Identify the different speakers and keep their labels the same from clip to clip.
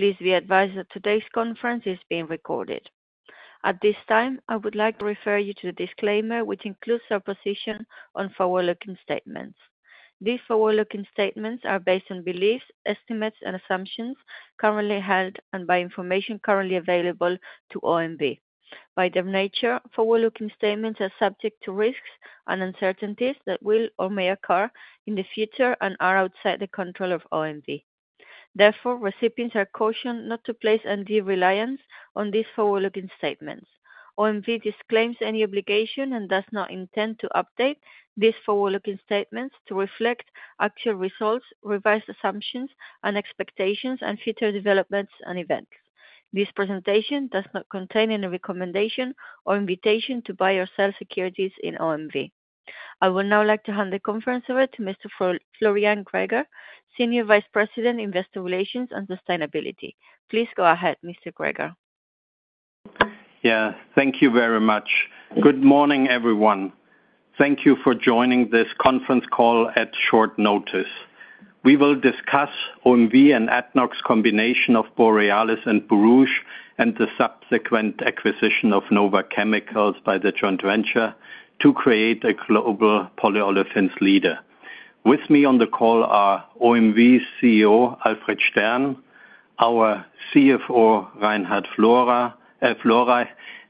Speaker 1: Please be advised that today's conference is being recorded. At this time, I would like to refer you to the disclaimer, which includes a proposition on forward-looking statements. These forward-looking statements are based on beliefs, estimates, and assumptions currently held and by information currently available to OMV. By their nature, forward-looking statements are subject to risks and uncertainties that will or may occur in the future and are outside the control of OMV. Therefore, recipients are cautioned not to place any reliance on these forward-looking statements. OMV disclaims any obligation and does not intend to update these forward-looking statements to reflect actual results, revised assumptions, and expectations, and future developments and events. This presentation does not contain any recommendation or invitation to buy or sell securities in OMV. I would now like to hand the conference over to Mr. Florian Greger, Senior Vice President, Investor Relations and Sustainability. Please go ahead, Mr. Greger.
Speaker 2: Yeah, thank you very much. Good morning, everyone. Thank you for joining this conference call at short notice. We will discuss OMV and ADNOC's combination of Borealis and Borouge, and the subsequent acquisition of Nova Chemicals by the joint venture to create a global polyolefins leader. With me on the call are OMV's CEO, Alfred Stern, our CFO, Reinhard Florey,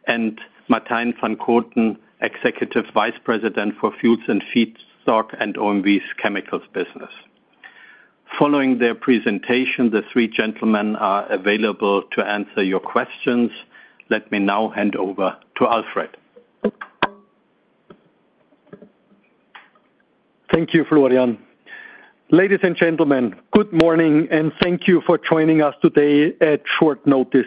Speaker 2: and Martijn van Koten, Executive Vice President for Fuel and Feedstock and OMV's Chemicals business. Following their presentation, the three gentlemen are available to answer your questions. Let me now hand over to Alfred.
Speaker 3: Thank you, Florian. Ladies and gentlemen, good morning, and thank you for joining us today at short notice.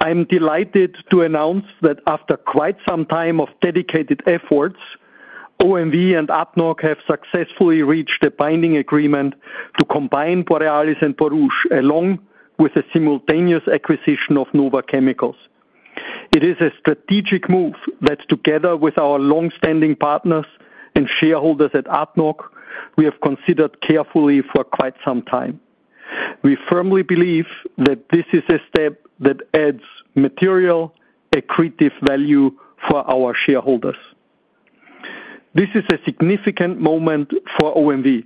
Speaker 3: I'm delighted to announce that after quite some time of dedicated efforts, OMV and ADNOC have successfully reached a binding agreement to combine Borealis and Borouge along with a simultaneous acquisition of Nova Chemicals. It is a strategic move that, together with our longstanding partners and shareholders at ADNOC, we have considered carefully for quite some time. We firmly believe that this is a step that adds material accretive value for our shareholders. This is a significant moment for OMV.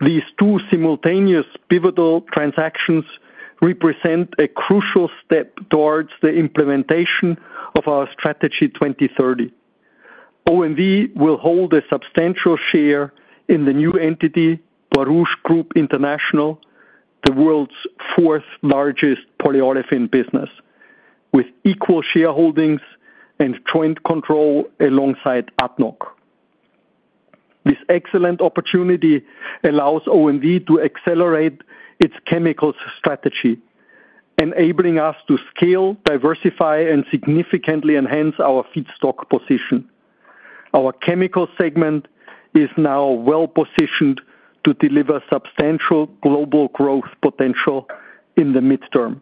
Speaker 3: These two simultaneous pivotal transactions represent a crucial step towards the implementation of our Strategy 2030. OMV will hold a substantial share in the new entity Borouge Group International, the world's fourth largest polyolefin business, with equal shareholdings and joint control alongside ADNOC. This excellent opportunity allows OMV to accelerate its chemicals strategy, enabling us to scale, diversify, and significantly enhance our feedstock position. Our chemicals segment is now well positioned to deliver substantial global growth potential in the midterm.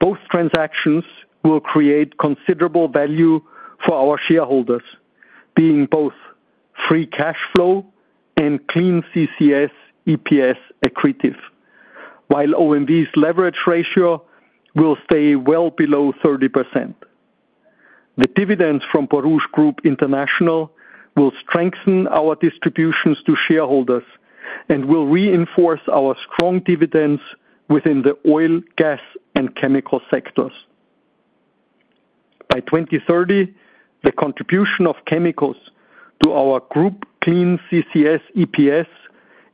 Speaker 3: Both transactions will create considerable value for our shareholders, being both free cash flow and Clean CCS EPS accretive, while OMV's leverage ratio will stay well below 30%. The dividends from Borouge Group International will strengthen our distributions to shareholders and will reinforce our strong dividends within the oil, gas, and chemical sectors. By 2030, the contribution of chemicals to our group Clean CCS EPS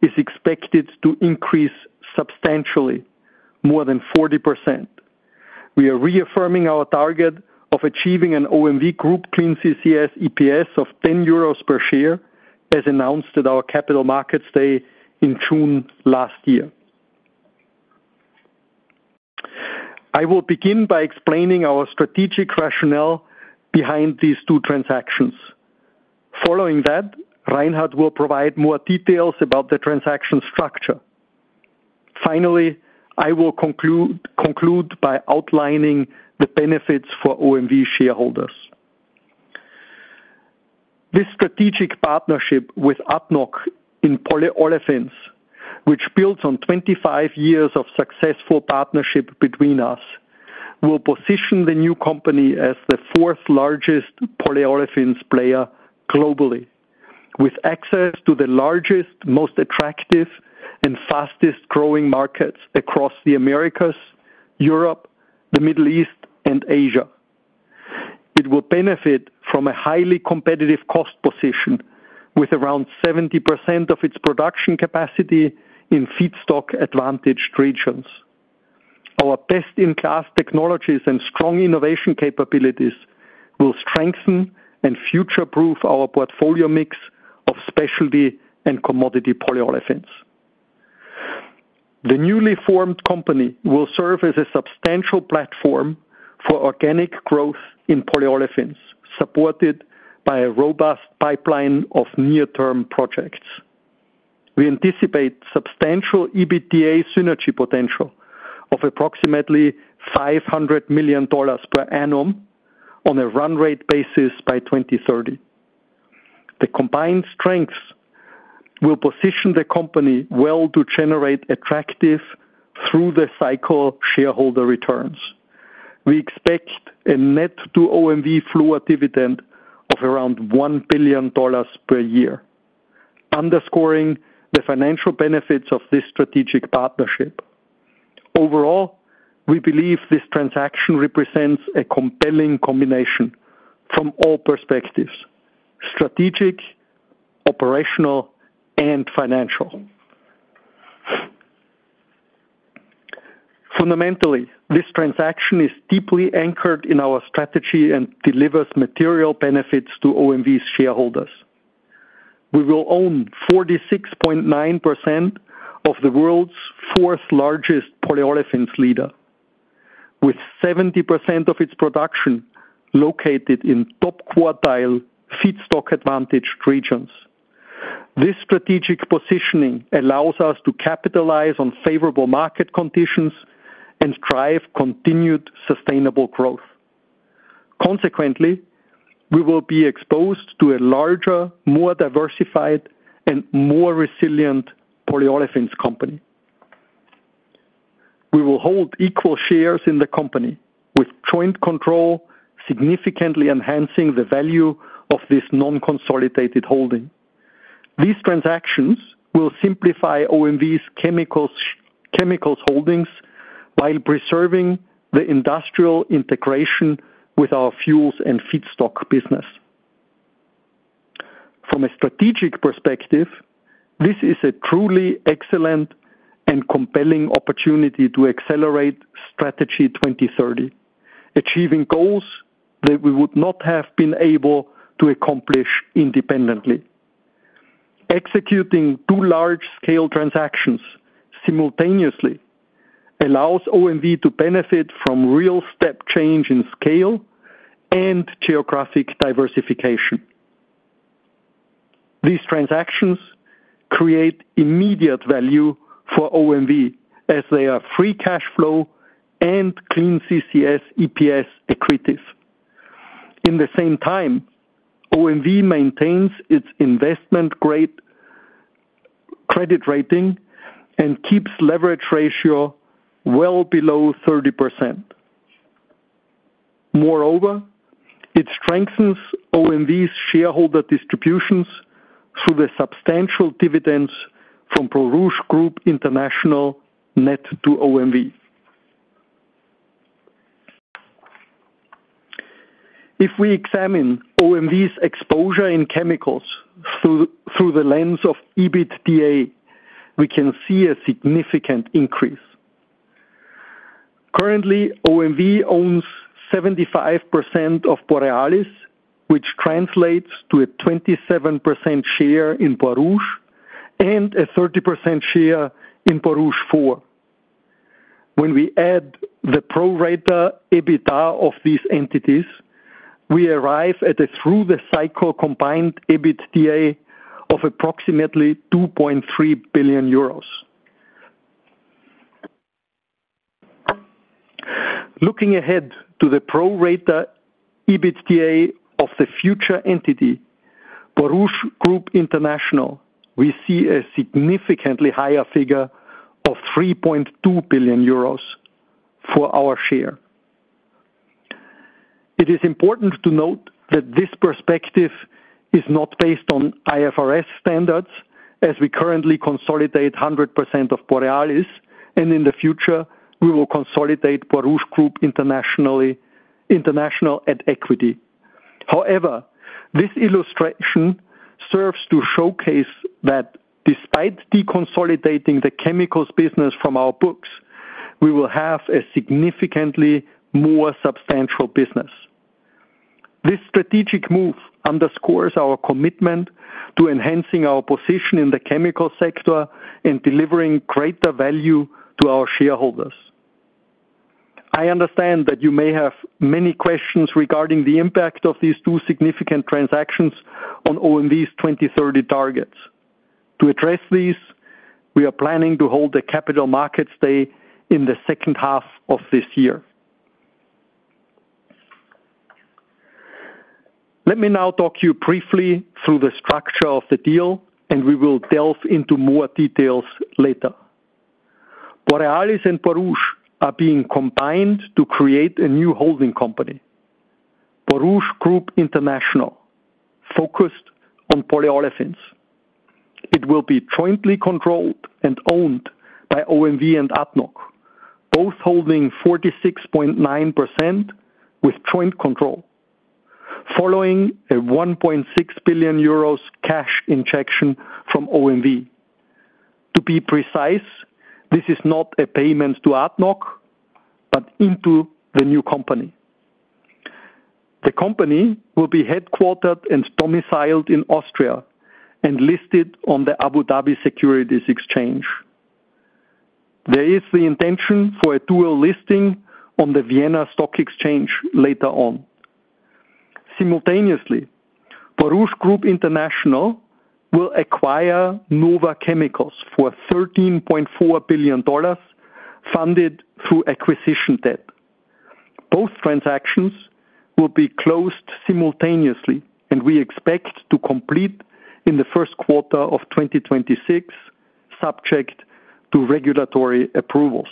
Speaker 3: is expected to increase substantially, more than 40%. We are reaffirming our target of achieving an OMV group Clean CCS EPS of 10 euros per share, as announced at our capital markets day in June last year. I will begin by explaining our strategic rationale behind these two transactions. Following that, Reinhard will provide more details about the transaction structure. Finally, I will conclude by outlining the benefits for OMV shareholders. This strategic partnership with ADNOC in polyolefins, which builds on 25 years of successful partnership between us, will position the new company as the fourth largest polyolefins player globally, with access to the largest, most attractive, and fastest growing markets across the Americas, Europe, the Middle East, and Asia. It will benefit from a highly competitive cost position, with around 70% of its production capacity in feedstock-advantaged regions. Our best-in-class technologies and strong innovation capabilities will strengthen and future-proof our portfolio mix of specialty and commodity polyolefins. The newly formed company will serve as a substantial platform for organic growth in polyolefins, supported by a robust pipeline of near-term projects. We anticipate substantial EBITDA synergy potential of approximately $500 million per annum on a run rate basis by 2030. The combined strengths will position the company well to generate attractive through-the-cycle shareholder returns. We expect a net-to-OMV flow dividend of around $1 billion per year, underscoring the financial benefits of this strategic partnership. Overall, we believe this transaction represents a compelling combination from all perspectives: strategic, operational, and financial. Fundamentally, this transaction is deeply anchored in our strategy and delivers material benefits to OMV's shareholders. We will own 46.9% of the world's fourth largest polyolefins leader, with 70% of its production located in top quartile feedstock-advantaged regions. This strategic positioning allows us to capitalize on favorable market conditions and drive continued sustainable growth. Consequently, we will be exposed to a larger, more diversified, and more resilient polyolefins company. We will hold equal shares in the company, with joint control significantly enhancing the value of this non-consolidated holding. These transactions will simplify OMV's chemicals holdings while preserving the industrial integration with our fuels and feedstock business. From a strategic perspective, this is a truly excellent and compelling opportunity to accelerate Strategy 2030, achieving goals that we would not have been able to accomplish independently. Executing two large-scale transactions simultaneously allows OMV to benefit from real step change in scale and geographic diversification. These transactions create immediate value for OMV as they are Free Cash Flow and Clean CCS EPS accretive. In the same time, OMV maintains its investment-grade credit rating and keeps leverage ratio well below 30%. Moreover, it strengthens OMV's shareholder distributions through the substantial dividends from Borouge Group International net to OMV. If we examine OMV's exposure in chemicals through the lens of EBITDA, we can see a significant increase. Currently, OMV owns 75% of Borealis, which translates to a 27% share in Borouge and a 30% share in Borouge IV. When we add the prorata EBITDA of these entities, we arrive at a through-the-cycle combined EBITDA of approximately 2.3 billion euros. Looking ahead to the prorata EBITDA of the future entity, Borouge Group International, we see a significantly higher figure of 3.2 billion euros for our share. It is important to note that this perspective is not based on IFRS standards, as we currently consolidate 100% of Borealis, and in the future, we will consolidate Borouge Group International at equity. However, this illustration serves to showcase that despite deconsolidating the chemicals business from our books, we will have a significantly more substantial business. This strategic move underscores our commitment to enhancing our position in the chemical sector and delivering greater value to our shareholders. I understand that you may have many questions regarding the impact of these two significant transactions on OMV's 2030 targets. To address these, we are planning to hold a capital markets day in the second half of this year. Let me now talk you briefly through the structure of the deal, and we will delve into more details later. Borealis and Borouge are being combined to create a new holding company, Borouge Group International, focused on polyolefins. It will be jointly controlled and owned by OMV and ADNOC, both holding 46.9% with joint control, following a 1.6 billion euros cash injection from OMV. To be precise, this is not a payment to ADNOC, but into the new company. The company will be headquartered and domiciled in Austria and listed on the Abu Dhabi Securities Exchange. There is the intention for a dual listing on the Vienna Stock Exchange later on. Simultaneously, Borouge Group International will acquire Nova Chemicals for $13.4 billion funded through acquisition debt. Both transactions will be closed simultaneously, and we expect to complete in the first quarter of 2026, subject to regulatory approvals.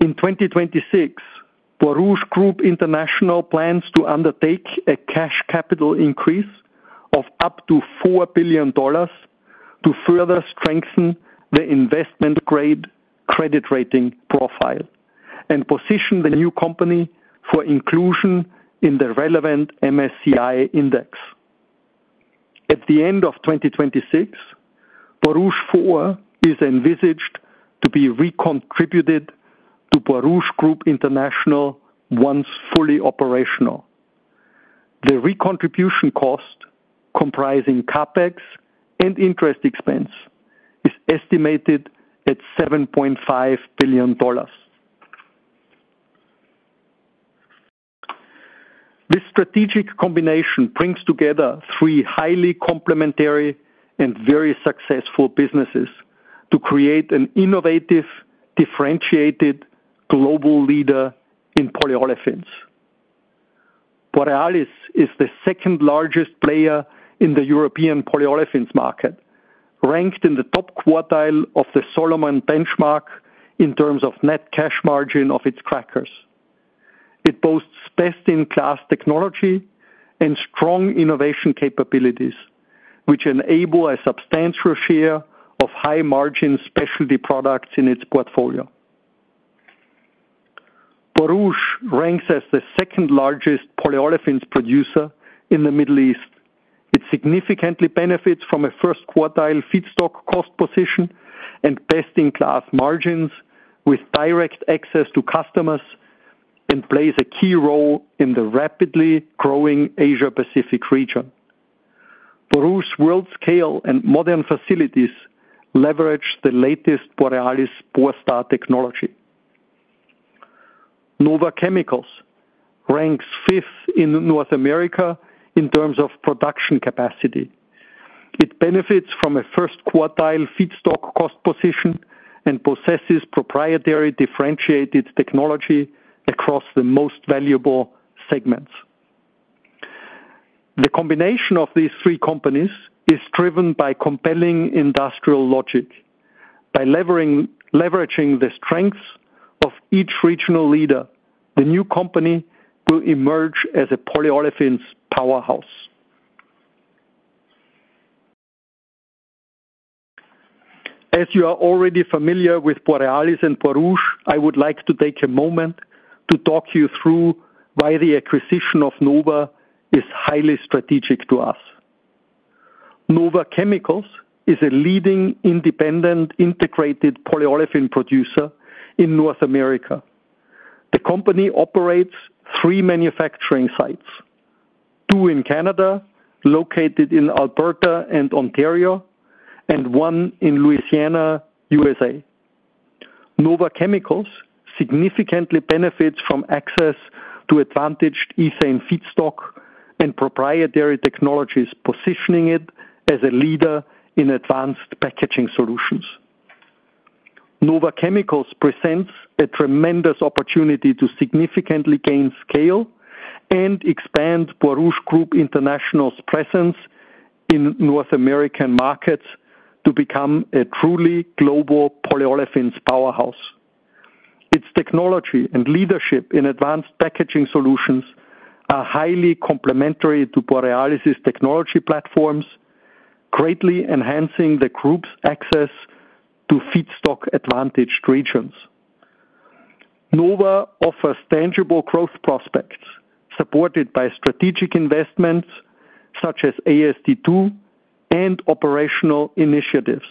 Speaker 3: In 2026, Borouge Group International plans to undertake a cash capital increase of up to $4 billion to further strengthen the investment-grade credit rating profile and position the new company for inclusion in the relevant MSCI index. At the end of 2026, Borouge IV is envisaged to be recontributed to Borouge Group International once fully operational. The recontribution cost, comprising CapEx and interest expense, is estimated at $7.5 billion. This strategic combination brings together three highly complementary and very successful businesses to create an innovative, differentiated global leader in polyolefins. Borealis is the second-largest player in the European polyolefins market, ranked in the top quartile of the Solomon benchmark in terms of net cash margin of its crackers. It boasts best-in-class technology and strong innovation capabilities, which enable a substantial share of high-margin specialty products in its portfolio. Borouge ranks as the second-largest polyolefins producer in the Middle East. It significantly benefits from a first quartile feedstock cost position and best-in-class margins, with direct access to customers and plays a key role in the rapidly growing Asia-Pacific region. Borouge's world-scale and modern facilities leverage the latest Borstar technology. Nova Chemicals ranks fifth in North America in terms of production capacity. It benefits from a first quartile feedstock cost position and possesses proprietary differentiated technology across the most valuable segments. The combination of these three companies is driven by compelling industrial logic. By leveraging the strengths of each regional leader, the new company will emerge as a polyolefins powerhouse. As you are already familiar with Borealis and Borouge, I would like to take a moment to talk you through why the acquisition of Nova is highly strategic to us. Nova Chemicals is a leading independent integrated polyolefin producer in North America. The company operates three manufacturing sites: two in Canada, located in Alberta and Ontario, and one in Louisiana, USA. Nova Chemicals significantly benefits from access to advantaged ethane feedstock and proprietary technologies, positioning it as a leader in advanced packaging solutions. Nova Chemicals presents a tremendous opportunity to significantly gain scale and expand Borouge Group International's presence in North American markets to become a truly global polyolefins powerhouse. Its technology and leadership in advanced packaging solutions are highly complementary to Borealis' technology platforms, greatly enhancing the group's access to feedstock-advantaged regions. Nova offers tangible growth prospects supported by strategic investments such as AST2 and operational initiatives.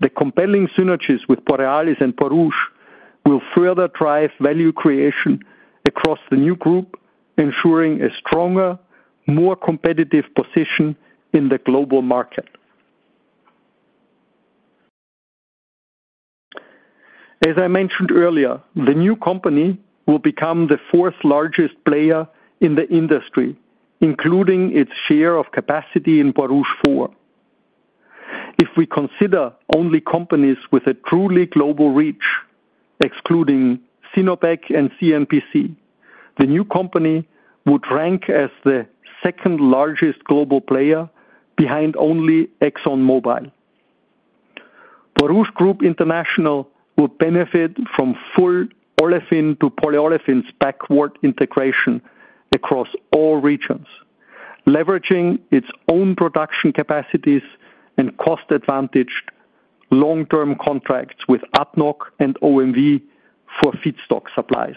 Speaker 3: The compelling synergies with Borealis and Borouge will further drive value creation across the new group, ensuring a stronger, more competitive position in the global market. As I mentioned earlier, the new company will become the fourth-largest player in the industry, including its share of capacity in Borouge 4. If we consider only companies with a truly global reach, excluding Sinopec and CNPC, the new company would rank as the second-largest global player behind only ExxonMobil. Borouge Group International will benefit from full olefin to polyolefins backward integration across all regions, leveraging its own production capacities and cost-advantaged long-term contracts with ADNOC and OMV for feedstock supplies.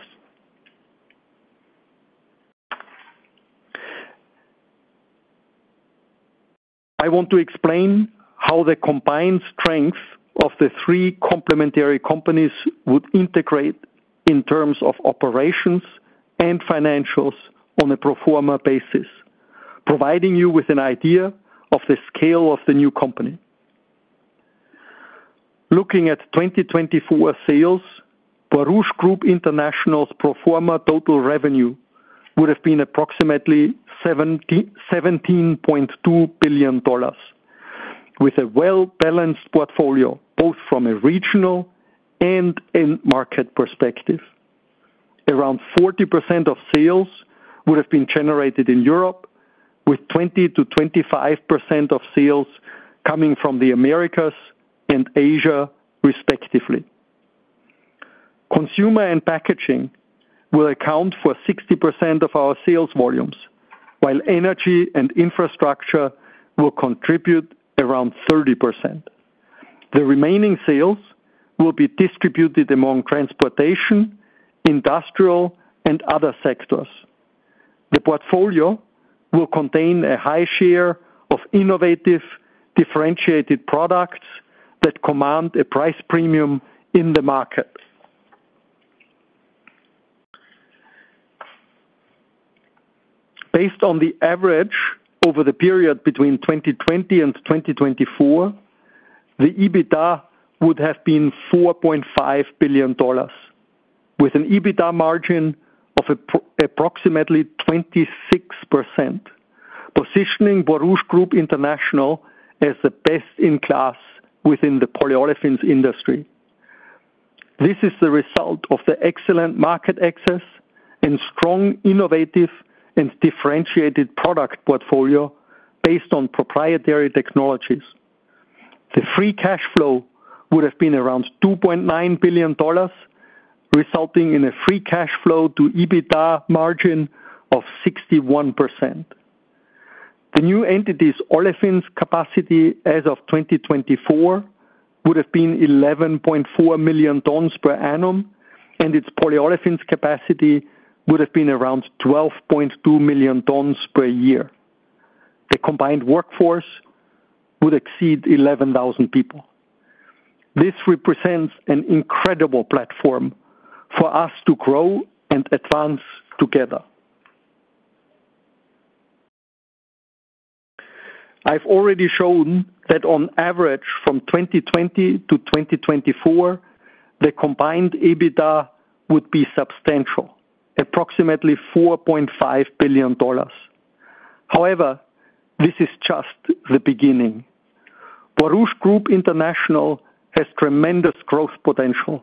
Speaker 3: I want to explain how the combined strength of the three complementary companies would integrate in terms of operations and financials on a proforma basis, providing you with an idea of the scale of the new company. Looking at 2024 sales, Borouge Group International's proforma total revenue would have been approximately $17.2 billion, with a well-balanced portfolio both from a regional and end-market perspective. Around 40% of sales would have been generated in Europe, with 20%-25% of sales coming from the Americas and Asia, respectively. Consumer and packaging will account for 60% of our sales volumes, while energy and infrastructure will contribute around 30%. The remaining sales will be distributed among transportation, industrial, and other sectors. The portfolio will contain a high share of innovative differentiated products that command a price premium in the market. Based on the average over the period between 2020 and 2024, the EBITDA would have been $4.5 billion, with an EBITDA margin of approximately 26%, positioning Borouge Group International as the best-in-class within the polyolefins industry. This is the result of the excellent market access and strong innovative and differentiated product portfolio based on proprietary technologies. The free cash flow would have been around $2.9 billion, resulting in a free cash flow-to-EBITDA margin of 61%. The new entity's olefins capacity as of 2024 would have been 11.4 million tons per annum, and its polyolefins capacity would have been around 12.2 million tons per year. The combined workforce would exceed 11,000 people. This represents an incredible platform for us to grow and advance together. I've already shown that on average, from 2020 to 2024, the combined EBITDA would be substantial, approximately $4.5 billion. However, this is just the beginning. Borouge Group International has tremendous growth potential,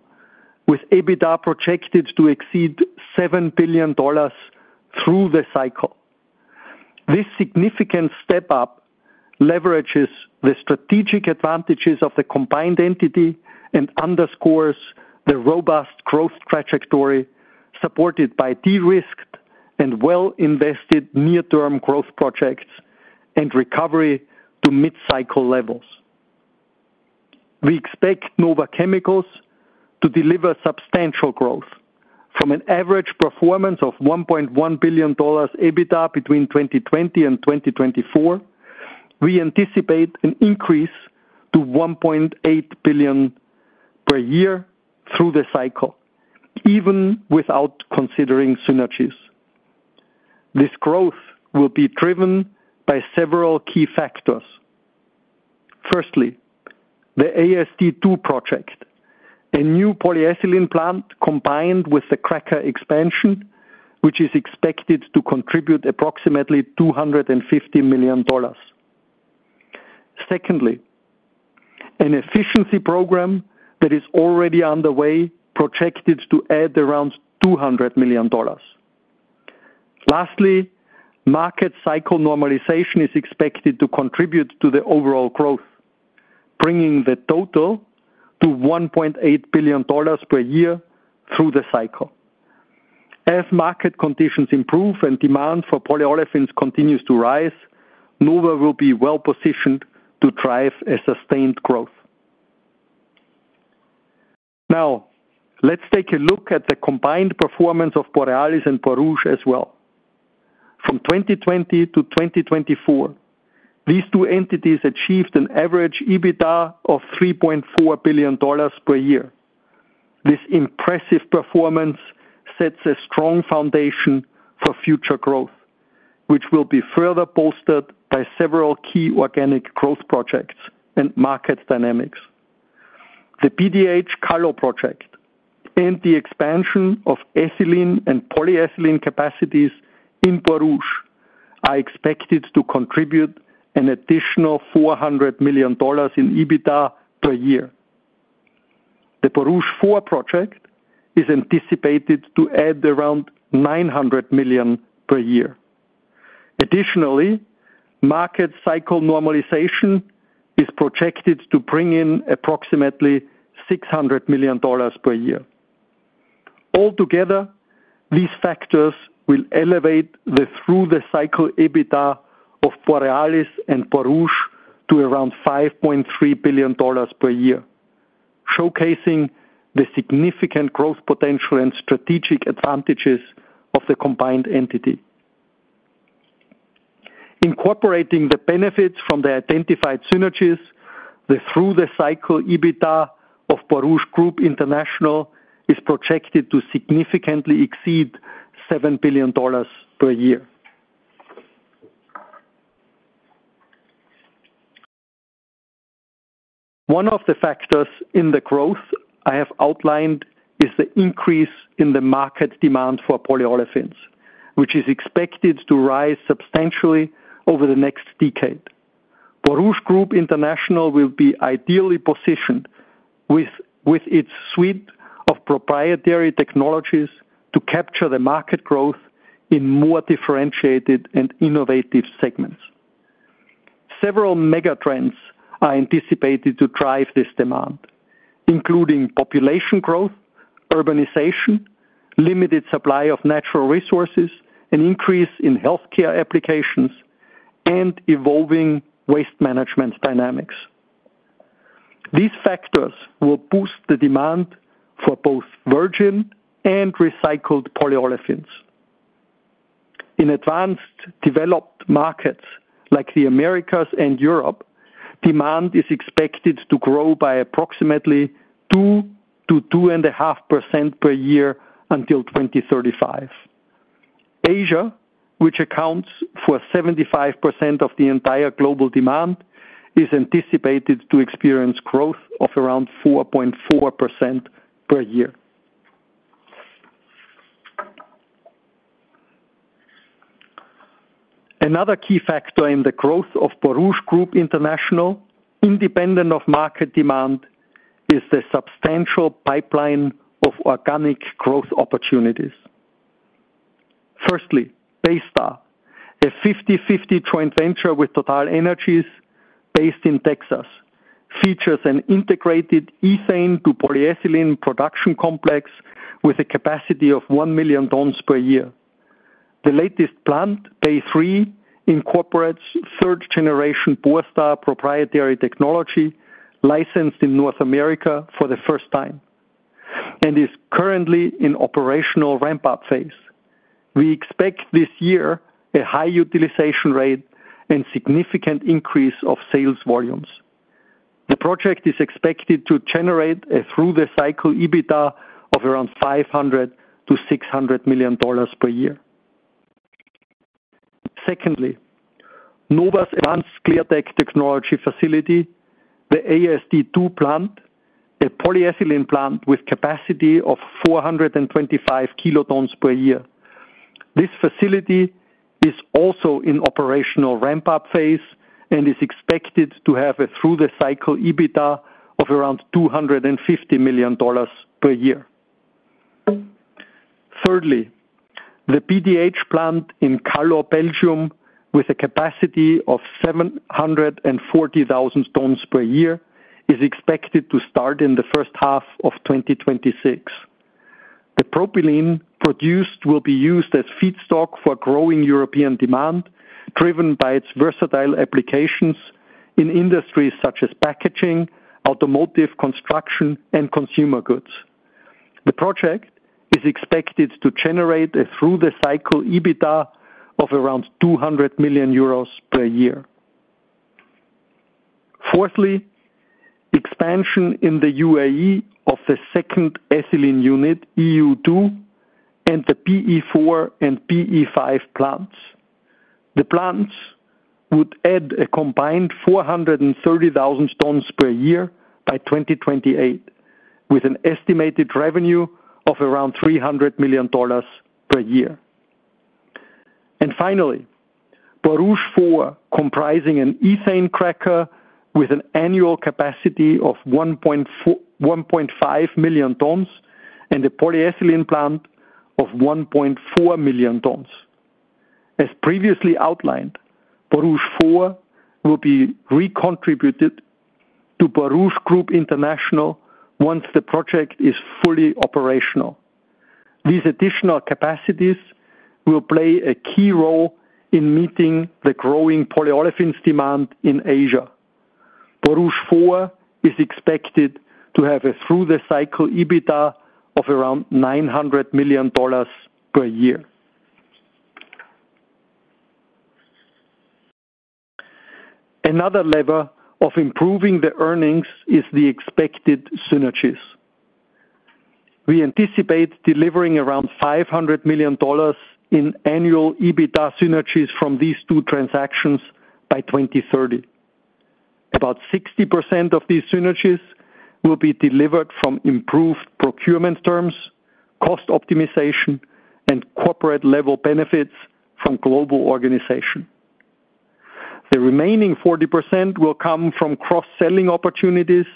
Speaker 3: with EBITDA projected to exceed $7 billion through the cycle. This significant step-up leverages the strategic advantages of the combined entity and underscores the robust growth trajectory supported by de-risked and well-invested near-term growth projects and recovery to mid-cycle levels. We expect Nova Chemicals to deliver substantial growth from an average performance of $1.1 billion EBITDA between 2020 and 2024. We anticipate an increase to $1.8 billion per year through the cycle, even without considering synergies. This growth will be driven by several key factors. Firstly, the AST2 project, a new polyethylene plant combined with the cracker expansion, which is expected to contribute approximately $250 million. Secondly, an efficiency program that is already underway projected to add around $200 million. Lastly, market cycle normalization is expected to contribute to the overall growth, bringing the total to $1.8 billion per year through the cycle. As market conditions improve and demand for polyolefins continues to rise, Nova will be well-positioned to drive a sustained growth. Now, let's take a look at the combined performance of Borealis and Borouge as well. From 2020 to 2024, these two entities achieved an average EBITDA of $3.4 billion per year. This impressive performance sets a strong foundation for future growth, which will be further bolstered by several key organic growth projects and market dynamics. The PDH-Kallo project and the expansion of ethylene and polyethylene capacities in Borouge are expected to contribute an additional $400 million in EBITDA per year. The Borouge IV project is anticipated to add around $900 million per year. Additionally, market cycle normalization is projected to bring in approximately $600 million per year. Altogether, these factors will elevate the through-the-cycle EBITDA of Borealis and Borouge to around $5.3 billion per year, showcasing the significant growth potential and strategic advantages of the combined entity. Incorporating the benefits from the identified synergies, the through-the-cycle EBITDA of Borouge Group International is projected to significantly exceed $7 billion per year. One of the factors in the growth I have outlined is the increase in the market demand for polyolefins, which is expected to rise substantially over the next decade. Borouge Group International will be ideally positioned with its suite of proprietary technologies to capture the market growth in more differentiated and innovative segments. Several megatrends are anticipated to drive this demand, including population growth, urbanization, limited supply of natural resources, an increase in healthcare applications, and evolving waste management dynamics. These factors will boost the demand for both virgin and recycled polyolefins. In advanced developed markets like the Americas and Europe, demand is expected to grow by approximately 2%-2.5% per year until 2035. Asia, which accounts for 75% of the entire global demand, is anticipated to experience growth of around 4.4% per year. Another key factor in the growth of Borouge Group International, independent of market demand, is the substantial pipeline of organic growth opportunities. Firstly, Baystar, a 50/50 joint venture with TotalEnergies based in Texas, features an integrated ethane-to-polyethylene production complex with a capacity of 1 million tons per year. The latest plant, Bay3, incorporates third-generation Borstar proprietary technology licensed in North America for the first time and is currently in operational ramp-up phase. We expect this year a high utilization rate and significant increase of sales volumes. The project is expected to generate a through-the-cycle EBITDA of around $500-$600 million per year. Secondly, Nova's advanced SCLAIRTECH technology facility, the AST2 plant, a polyethylene plant with capacity of 425 kilotons per year. This facility is also in operational ramp-up phase and is expected to have a through-the-cycle EBITDA of around $250 million per year. Thirdly, the PDH plant in Kallo, Belgium, with a capacity of 740,000 tons per year, is expected to start in the first half of 2026. The propylene produced will be used as feedstock for growing European demand, driven by its versatile applications in industries such as packaging, automotive, construction, and consumer goods. The project is expected to generate a through-the-cycle EBITDA of around 200 million euros per year. Fourthly, expansion in the UAE of the second ethylene unit, EU2, and the PE4 and PE5 plants. The plants would add a combined 430,000 tons per year by 2028, with an estimated revenue of around $300 million per year, and finally, Borouge IV, comprising an ethane cracker with an annual capacity of 1.5 million tons and a polyethylene plant of 1.4 million tons. As previously outlined, Borouge IV will be recontributed to Borouge Group International once the project is fully operational. These additional capacities will play a key role in meeting the growing polyolefins demand in Asia. Borouge IV is expected to have a through-the-cycle EBITDA of around $900 million per year. Another lever of improving the earnings is the expected synergies. We anticipate delivering around $500 million in annual EBITDA synergies from these two transactions by 2030. About 60% of these synergies will be delivered from improved procurement terms, cost optimization, and corporate-level benefits from global organization. The remaining 40% will come from cross-selling opportunities,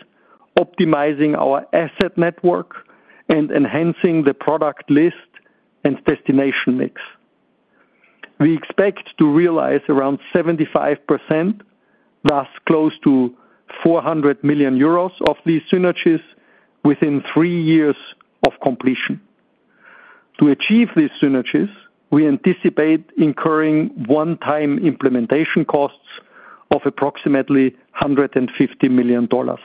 Speaker 3: optimizing our asset network and enhancing the product list and destination mix. We expect to realize around 75%, thus close to 400 million euros of these synergies within three years of completion. To achieve these synergies, we anticipate incurring one-time implementation costs of approximately $150 million. OMV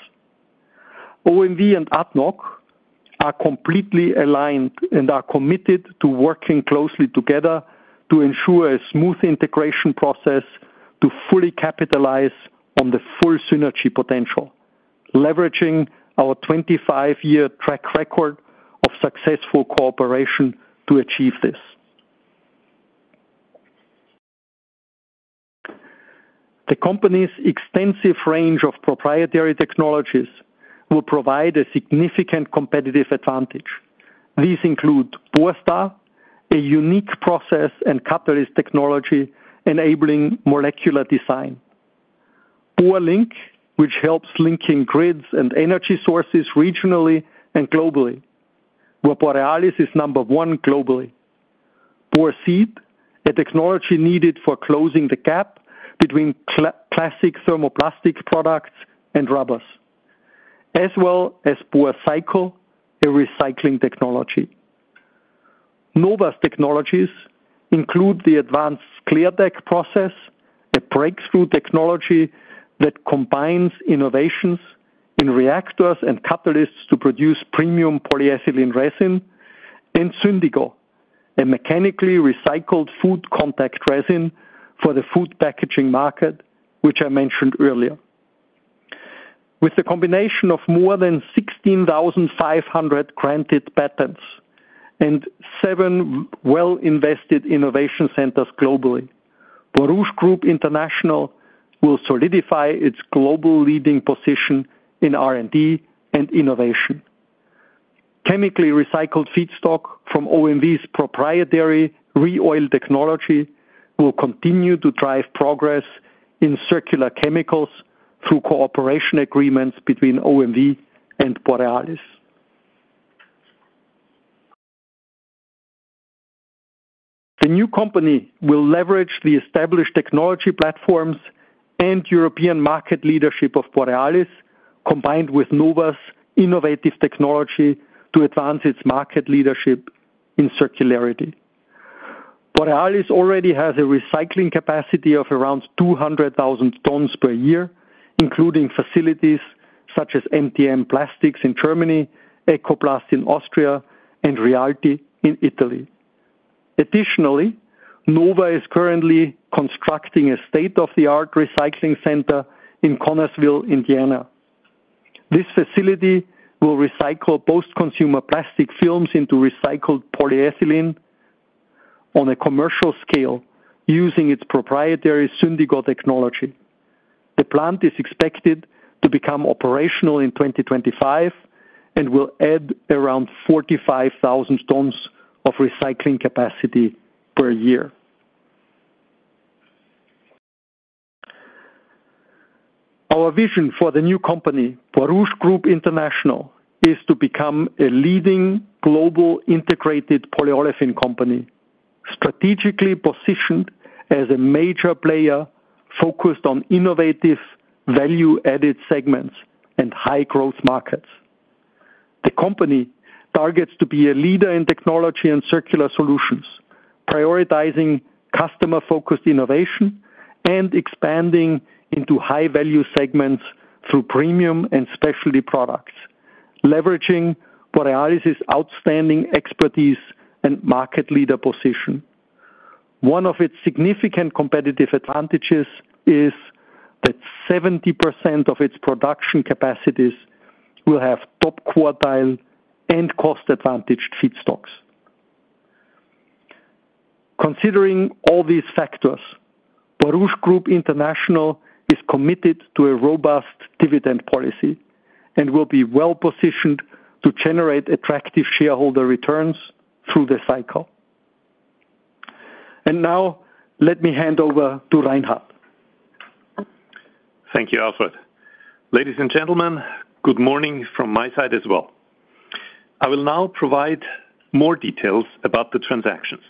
Speaker 3: and ADNOC are completely aligned and are committed to working closely together to ensure a smooth integration process to fully capitalize on the full synergy potential, leveraging our 25-year track record of successful cooperation to achieve this. The company's extensive range of proprietary technologies will provide a significant competitive advantage. These include Borstar, a unique process and catalyst technology enabling molecular design. Borlink, which helps linking grids and energy sources regionally and globally, where Borealis is number one globally. Borceed, a technology needed for closing the gap between classic thermoplastic products and rubbers, as well as Borcycle, a recycling technology. Nova's technologies include the advanced SCLAIRTECH process, a breakthrough technology that combines innovations in reactors and catalysts to produce premium polyethylene resin, and Syndigo, a mechanically recycled food contact resin for the food packaging market, which I mentioned earlier. With the combination of more than 16,500 granted patents and seven well-invested innovation centers globally, Borouge Group International will solidify its global leading position in R&D and innovation. Chemically recycled feedstock from OMV's proprietary ReOil technology will continue to drive progress in circular chemicals through cooperation agreements between OMV and Borealis. The new company will leverage the established technology platforms and European market leadership of Borealis, combined with Nova's innovative technology, to advance its market leadership in circularity. Borealis already has a recycling capacity of around 200,000 tons per year, including facilities such as MTM Plastics in Germany, Ecoplast in Austria, and Rialti in Italy. Additionally, Nova is currently constructing a state-of-the-art recycling center in Connersville, Indiana. This facility will recycle post-consumer plastic films into recycled polyethylene on a commercial scale using its proprietary Syndigo technology. The plant is expected to become operational in 2025 and will add around 45,000 tons of recycling capacity per year. Our vision for the new company, Borouge Group International, is to become a leading global integrated polyolefin company, strategically positioned as a major player focused on innovative value-added segments and high-growth markets. The company targets to be a leader in technology and circular solutions, prioritizing customer-focused innovation and expanding into high-value segments through premium and specialty products, leveraging Borealis's outstanding expertise and market leader position. One of its significant competitive advantages is that 70% of its production capacities will have top quartile and cost-advantaged feedstocks. Considering all these factors, Borouge Group International is committed to a robust dividend policy and will be well-positioned to generate attractive shareholder returns through the cycle, and now let me hand over to Reinhard.
Speaker 4: Thank you, Alfred. Ladies and gentlemen, good morning from my side as well. I will now provide more details about the transactions.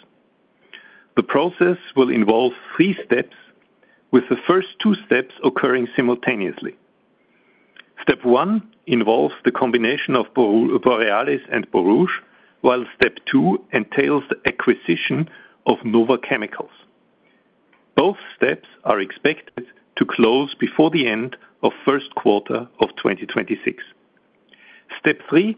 Speaker 4: The process will involve three steps, with the first two steps occurring simultaneously. Step one involves the combination of Borealis and Borouge, while step two entails the acquisition of Nova Chemicals. Both steps are expected to close before the end of the first quarter of 2026. Step three,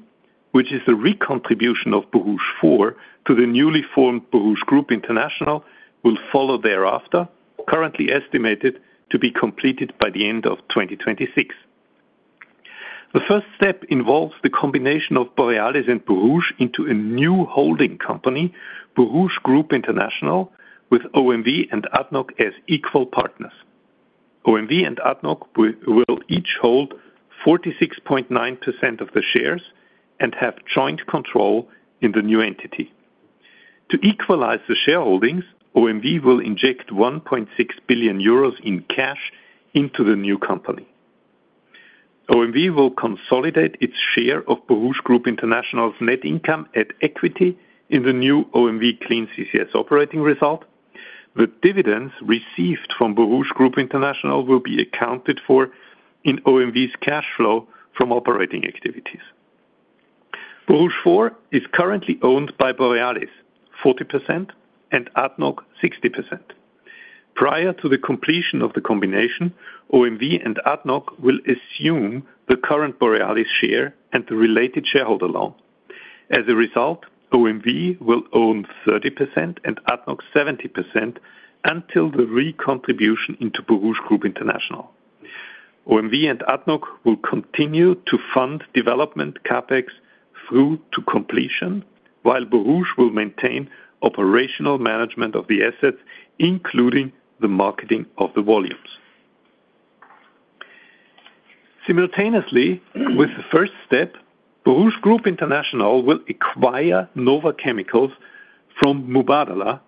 Speaker 4: which is the recontribution of Borouge 4 to the newly formed Borouge Group International, will follow thereafter, currently estimated to be completed by the end of 2026. The first step involves the combination of Borealis and Borouge into a new holding company, Borouge Group International, with OMV and ADNOC as equal partners. OMV and ADNOC will each hold 46.9% of the shares and have joint control in the new entity. To equalize the shareholdings, OMV will inject 1.6 billion euros in cash into the new company. OMV will consolidate its share of Borouge Group International's net income at equity in the new OMV Clean CCS operating result. The dividends received from Borouge Group International will be accounted for in OMV's cash flow from operating activities. Borouge 4 is currently owned by Borealis, 40%, and ADNOC, 60%. Prior to the completion of the combination, OMV and ADNOC will assume the current Borealis share and the related shareholder loan. As a result, OMV will own 30% and ADNOC 70% until the recontribution into Borouge Group International. OMV and ADNOC will continue to fund development CapEx through to completion, while Borouge will maintain operational management of the assets, including the marketing of the volumes. Simultaneously with the first step, Borouge Group International will acquire Nova Chemicals from Mubadala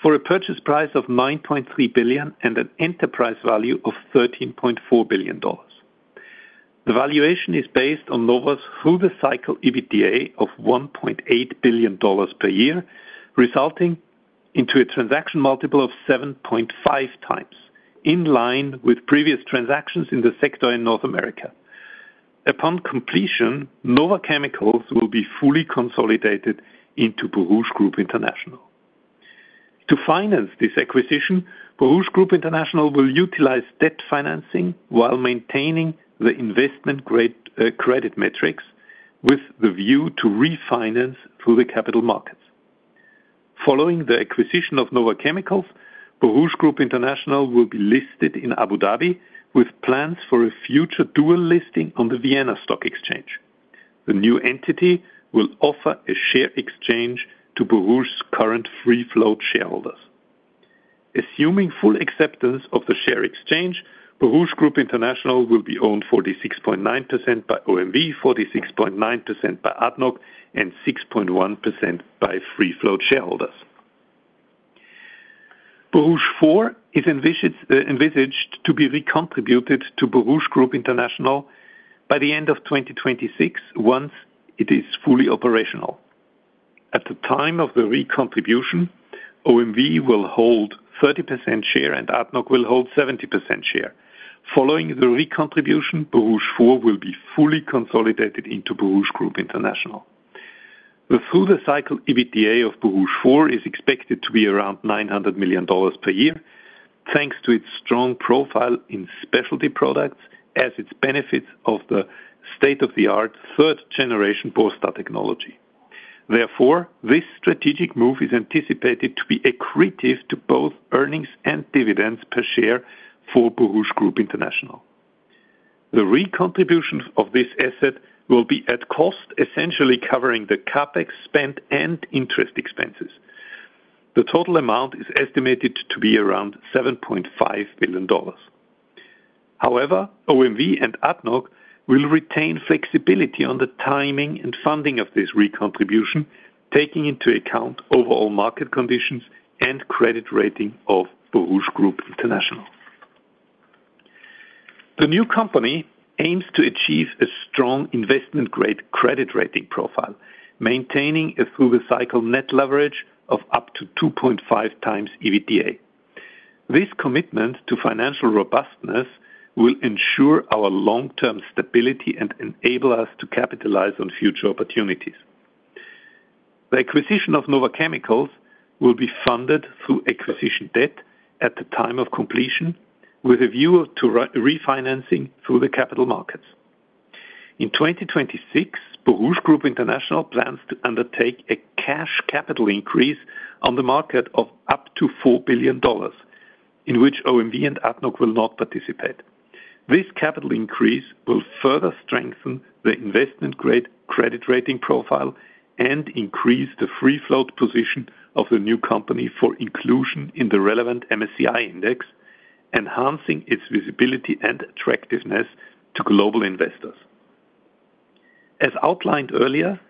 Speaker 4: for a purchase price of $9.3 billion and an enterprise value of $13.4 billion. The valuation is based on Nova's through-the-cycle EBITDA of $1.8 billion per year, resulting in a transaction multiple of 7.5 times, in line with previous transactions in the sector in North America. Upon completion, Nova Chemicals will be fully consolidated into Borouge Group International. To finance this acquisition, Borouge Group International will utilize debt financing while maintaining the investment credit metrics, with the view to refinance through the capital markets. Following the acquisition of Nova Chemicals, Borouge Group International will be listed in Abu Dhabi, with plans for a future dual listing on the Vienna Stock Exchange. The new entity will offer a share exchange to Borouge's current free-float shareholders. Assuming full acceptance of the share exchange, Borouge Group International will be owned 46.9% by OMV, 46.9% by ADNOC, and 6.1% by free-float shareholders. Borouge 4 is envisaged to be recontributed to Borouge Group International by the end of 2026, once it is fully operational. At the time of the recontribution, OMV will hold 30% share and ADNOC will hold 70% share. Following the recontribution, Borouge 4 will be fully consolidated into Borouge Group International. The through-the-cycle EBITDA of Borouge 4 is expected to be around $900 million per year, thanks to its strong profile in specialty products and its benefits of the state-of-the-art third-generation Borstar technology. Therefore, this strategic move is anticipated to be accretive to both earnings and dividends per share for Borouge Group International. The recontribution of this asset will be, at cost, essentially covering the CapEx spent and interest expenses. The total amount is estimated to be around $7.5 billion. However, OMV and ADNOC will retain flexibility on the timing and funding of this recontribution, taking into account overall market conditions and credit rating of Borouge Group International. The new company aims to achieve a strong investment-grade credit rating profile, maintaining a through-the-cycle net leverage of up to 2.5 times EBITDA. This commitment to financial robustness will ensure our long-term stability and enable us to capitalize on future opportunities. The acquisition of Nova Chemicals will be funded through acquisition debt at the time of completion, with a view to refinancing through the capital markets. In 2026, Borouge Group International plans to undertake a cash capital increase on the market of up to $4 billion, in which OMV and ADNOC will not participate. This capital increase will further strengthen the investment-grade credit rating profile and increase the free-float position of the new company for inclusion in the relevant MSCI index, enhancing its visibility and attractiveness to global investors. As outlined earlier,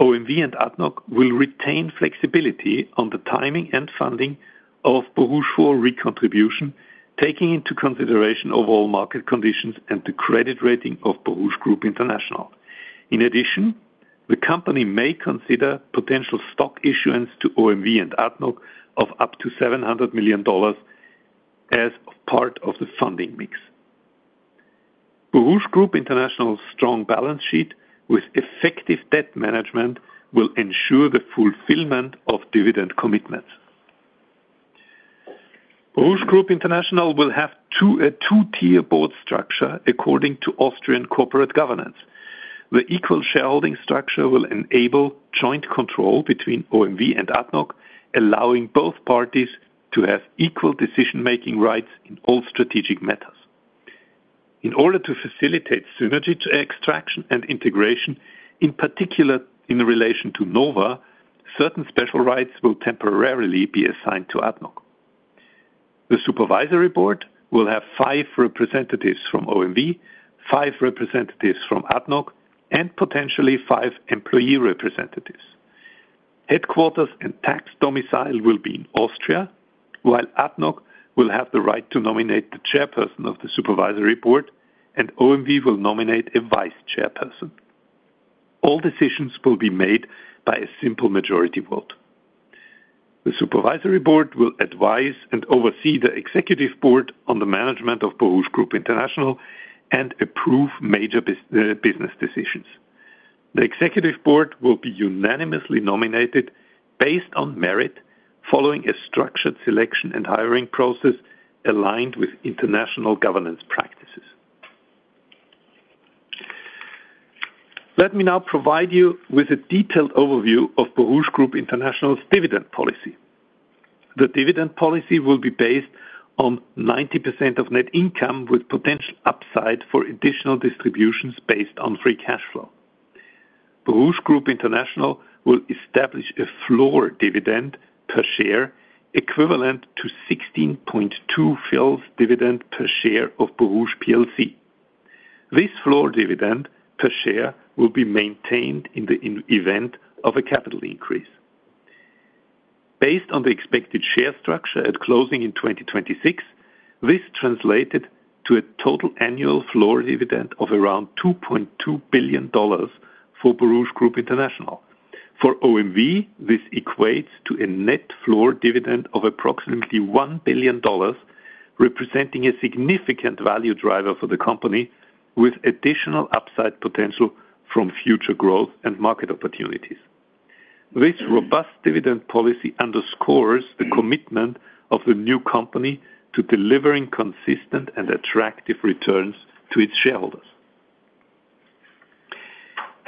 Speaker 4: OMV and ADNOC will retain flexibility on the timing and funding of Borouge 4 recontribution, taking into consideration overall market conditions and the credit rating of Borouge Group International. In addition, the company may consider potential stock issuance to OMV and ADNOC of up to $700 million as part of the funding mix. Borouge Group International's strong balance sheet, with effective debt management, will ensure the fulfillment of dividend commitments. Borouge Group International will have a two-tier board structure according to Austrian corporate governance. The equal shareholding structure will enable joint control between OMV and ADNOC, allowing both parties to have equal decision-making rights in all strategic matters. In order to facilitate synergy extraction and integration, in particular in relation to Nova, certain special rights will temporarily be assigned to ADNOC. The supervisory board will have five representatives from OMV, five representatives from ADNOC, and potentially five employee representatives. Headquarters and tax domicile will be in Austria, while ADNOC will have the right to nominate the chairperson of the supervisory board, and OMV will nominate a vice chairperson. All decisions will be made by a simple majority vote. The supervisory board will advise and oversee the executive board on the management of Borouge Group International and approve major business decisions. The executive board will be unanimously nominated based on merit, following a structured selection and hiring process aligned with international governance practices. Let me now provide you with a detailed overview of Borouge Group International's dividend policy. The dividend policy will be based on 90% of net income, with potential upside for additional distributions based on free cash flow. Borouge Group International will establish a floor dividend per share, equivalent to 0.0162 dividend per share of Borouge PLC. This floor dividend per share will be maintained in the event of a capital increase. Based on the expected share structure at closing in 2026, this translated to a total annual floor dividend of around $2.2 billion for Borouge Group International. For OMV, this equates to a net floor dividend of approximately $1 billion, representing a significant value driver for the company, with additional upside potential from future growth and market opportunities. This robust dividend policy underscores the commitment of the new company to delivering consistent and attractive returns to its shareholders.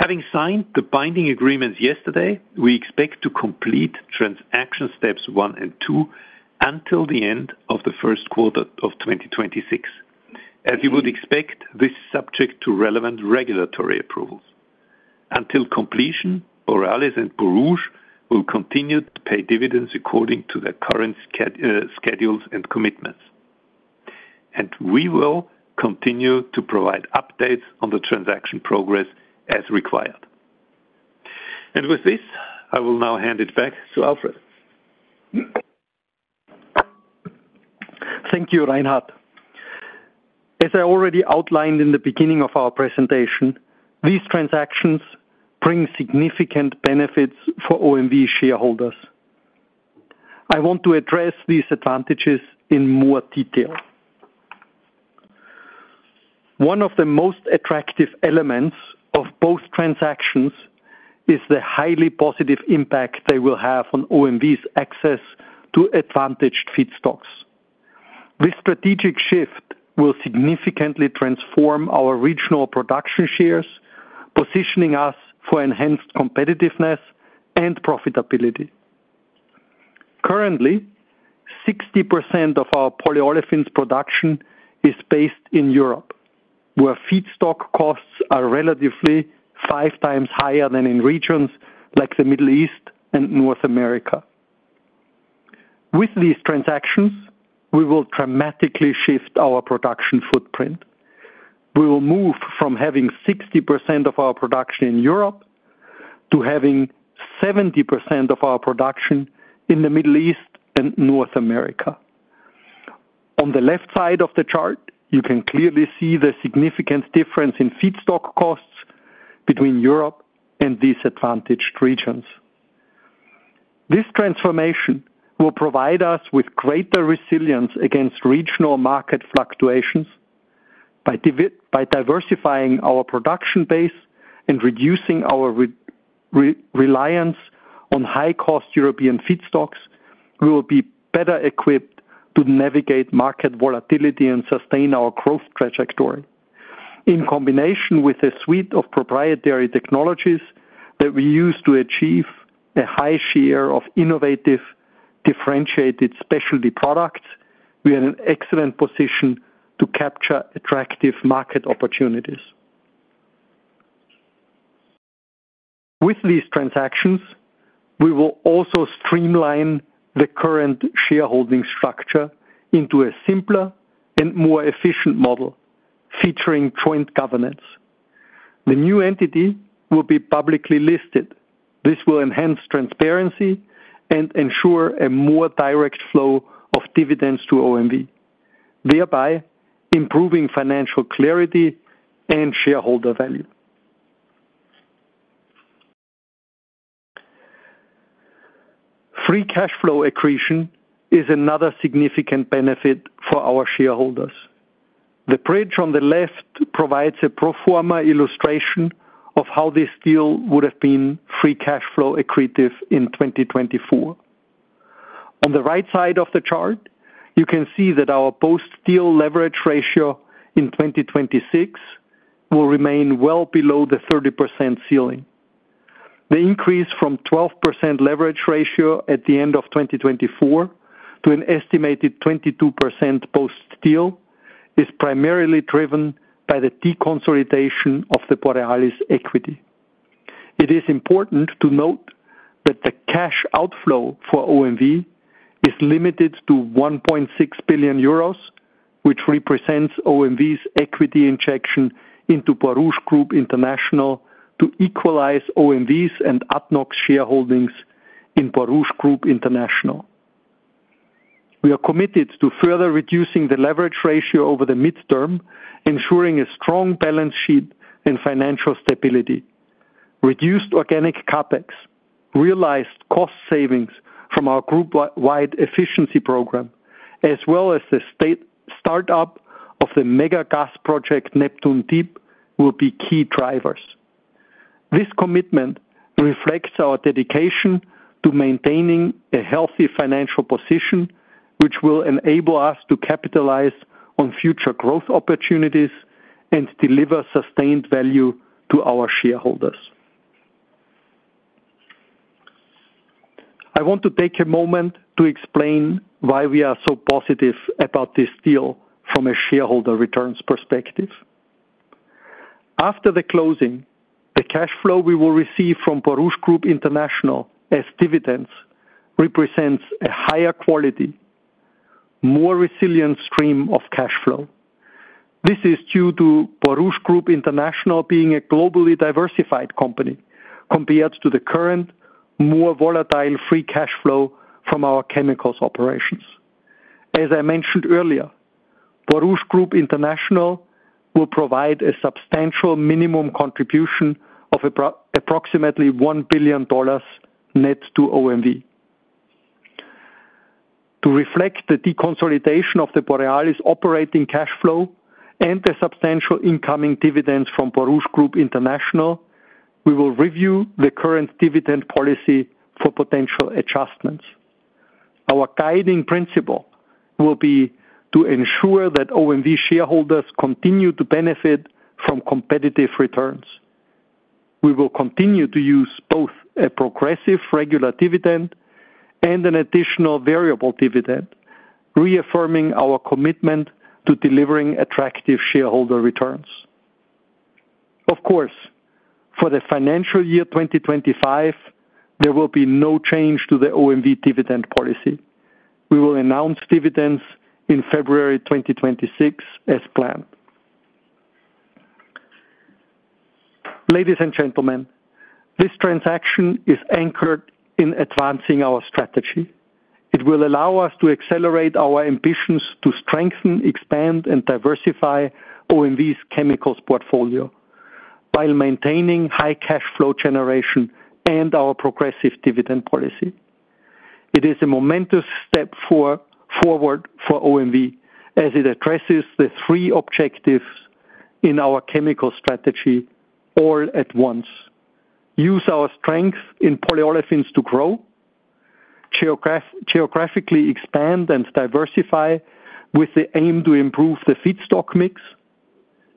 Speaker 4: Having signed the binding agreements yesterday, we expect to complete transaction steps one and two until the end of the first quarter of 2026. As you would expect, this is subject to relevant regulatory approvals. Until completion, Borealis and Borouge will continue to pay dividends according to their current schedules and commitments, and we will continue to provide updates on the transaction progress as required. And with this, I will now hand it back to Alfred.
Speaker 3: Thank you, Reinhard. As I already outlined in the beginning of our presentation, these transactions bring significant benefits for OMV shareholders. I want to address these advantages in more detail. One of the most attractive elements of both transactions is the highly positive impact they will have on OMV's access to advantaged feedstocks. This strategic shift will significantly transform our regional production shares, positioning us for enhanced competitiveness and profitability. Currently, 60% of our polyolefins production is based in Europe, where feedstock costs are relatively five times higher than in regions like the Middle East and North America. With these transactions, we will dramatically shift our production footprint. We will move from having 60% of our production in Europe to having 70% of our production in the Middle East and North America. On the left side of the chart, you can clearly see the significant difference in feedstock costs between Europe and these advantaged regions. This transformation will provide us with greater resilience against regional market fluctuations. By diversifying our production base and reducing our reliance on high-cost European feedstocks, we will be better equipped to navigate market volatility and sustain our growth trajectory. In combination with a suite of proprietary technologies that we use to achieve a high share of innovative differentiated specialty products, we are in an excellent position to capture attractive market opportunities. With these transactions, we will also streamline the current shareholding structure into a simpler and more efficient model, featuring joint governance. The new entity will be publicly listed. This will enhance transparency and ensure a more direct flow of dividends to OMV, thereby improving financial clarity and shareholder value. Free Cash Flow accretion is another significant benefit for our shareholders. The bridge on the left provides a pro forma illustration of how this deal would have been Free Cash Flow accretive in 2024. On the right side of the chart, you can see that our post-deal leverage ratio in 2026 will remain well below the 30% ceiling. The increase from 12% leverage ratio at the end of 2024 to an estimated 22% post-deal is primarily driven by the deconsolidation of the Borealis equity. It is important to note that the cash outflow for OMV is limited to 1.6 billion euros, which represents OMV's equity injection into Borouge Group International to equalize OMV's and ADNOC's shareholdings in Borouge Group International. We are committed to further reducing the leverage ratio over the midterm, ensuring a strong balance sheet and financial stability. Reduced organic CapEx, realized cost savings from our group-wide efficiency program, as well as the start-up of the mega gas project Neptune Deep, will be key drivers. This commitment reflects our dedication to maintaining a healthy financial position, which will enable us to capitalize on future growth opportunities and deliver sustained value to our shareholders. I want to take a moment to explain why we are so positive about this deal from a shareholder returns perspective. After the closing, the cash flow we will receive from Borouge Group International as dividends represents a higher quality, more resilient stream of cash flow. This is due to Borouge Group International being a globally diversified company compared to the current, more volatile free cash flow from our chemicals operations. As I mentioned earlier, Borouge Group International will provide a substantial minimum contribution of approximately $1 billion net to OMV. To reflect the deconsolidation of the Borealis operating cash flow and the substantial incoming dividends from Borouge Group International, we will review the current dividend policy for potential adjustments. Our guiding principle will be to ensure that OMV shareholders continue to benefit from competitive returns. We will continue to use both a progressive regular dividend and an additional variable dividend, reaffirming our commitment to delivering attractive shareholder returns. Of course, for the financial year 2025, there will be no change to the OMV dividend policy. We will announce dividends in February 2026 as planned. Ladies and gentlemen, this transaction is anchored in advancing our strategy. It will allow us to accelerate our ambitions to strengthen, expand, and diversify OMV's chemicals portfolio while maintaining high cash flow generation and our progressive dividend policy. It is a momentous step forward for OMV as it addresses the three objectives in our chemical strategy all at once: use our strength in polyolefins to grow, geographically expand and diversify with the aim to improve the feedstock mix,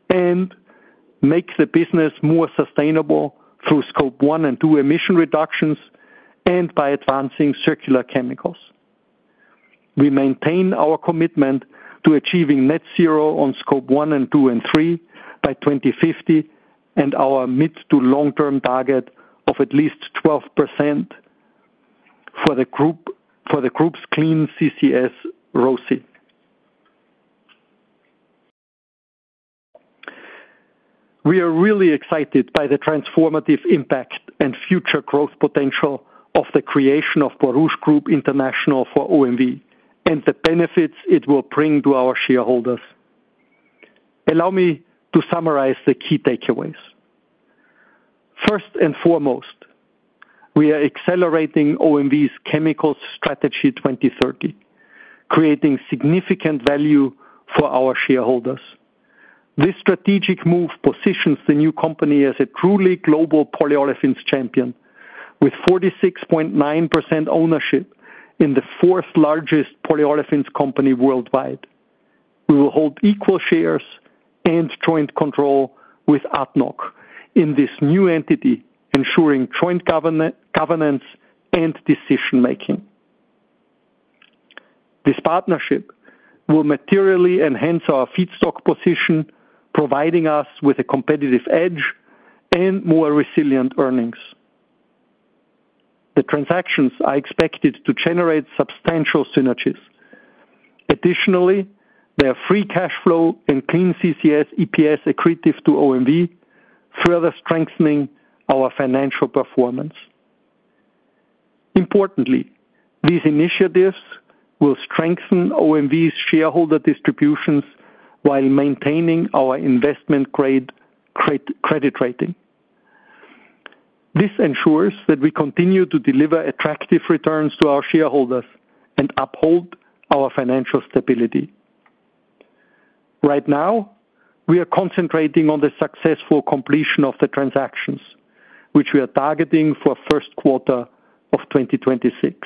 Speaker 3: and make the business more sustainable through Scope 1 and 2 emission reductions and by advancing circular chemicals. We maintain our commitment to achieving Net Zero on Scope 1, 2, and 3 by 2050 and our mid to long-term target of at least 12% for the group's clean CCS ROCE. We are really excited by the transformative impact and future growth potential of the creation of Borouge Group International for OMV and the benefits it will bring to our shareholders. Allow me to summarize the key takeaways. First and foremost, we are accelerating OMV's Chemicals Strategy 2030, creating significant value for our shareholders. This strategic move positions the new company as a truly global polyolefins champion, with 46.9% ownership in the fourth largest polyolefins company worldwide. We will hold equal shares and joint control with ADNOC in this new entity, ensuring joint governance and decision-making. This partnership will materially enhance our feedstock position, providing us with a competitive edge and more resilient earnings. The transactions are expected to generate substantial synergies. Additionally, their Free Cash Flow and Clean CCS EPS accretive to OMV further strengthening our financial performance. Importantly, these initiatives will strengthen OMV's shareholder distributions while maintaining our investment-grade credit rating. This ensures that we continue to deliver attractive returns to our shareholders and uphold our financial stability. Right now, we are concentrating on the successful completion of the transactions, which we are targeting for the first quarter of 2026.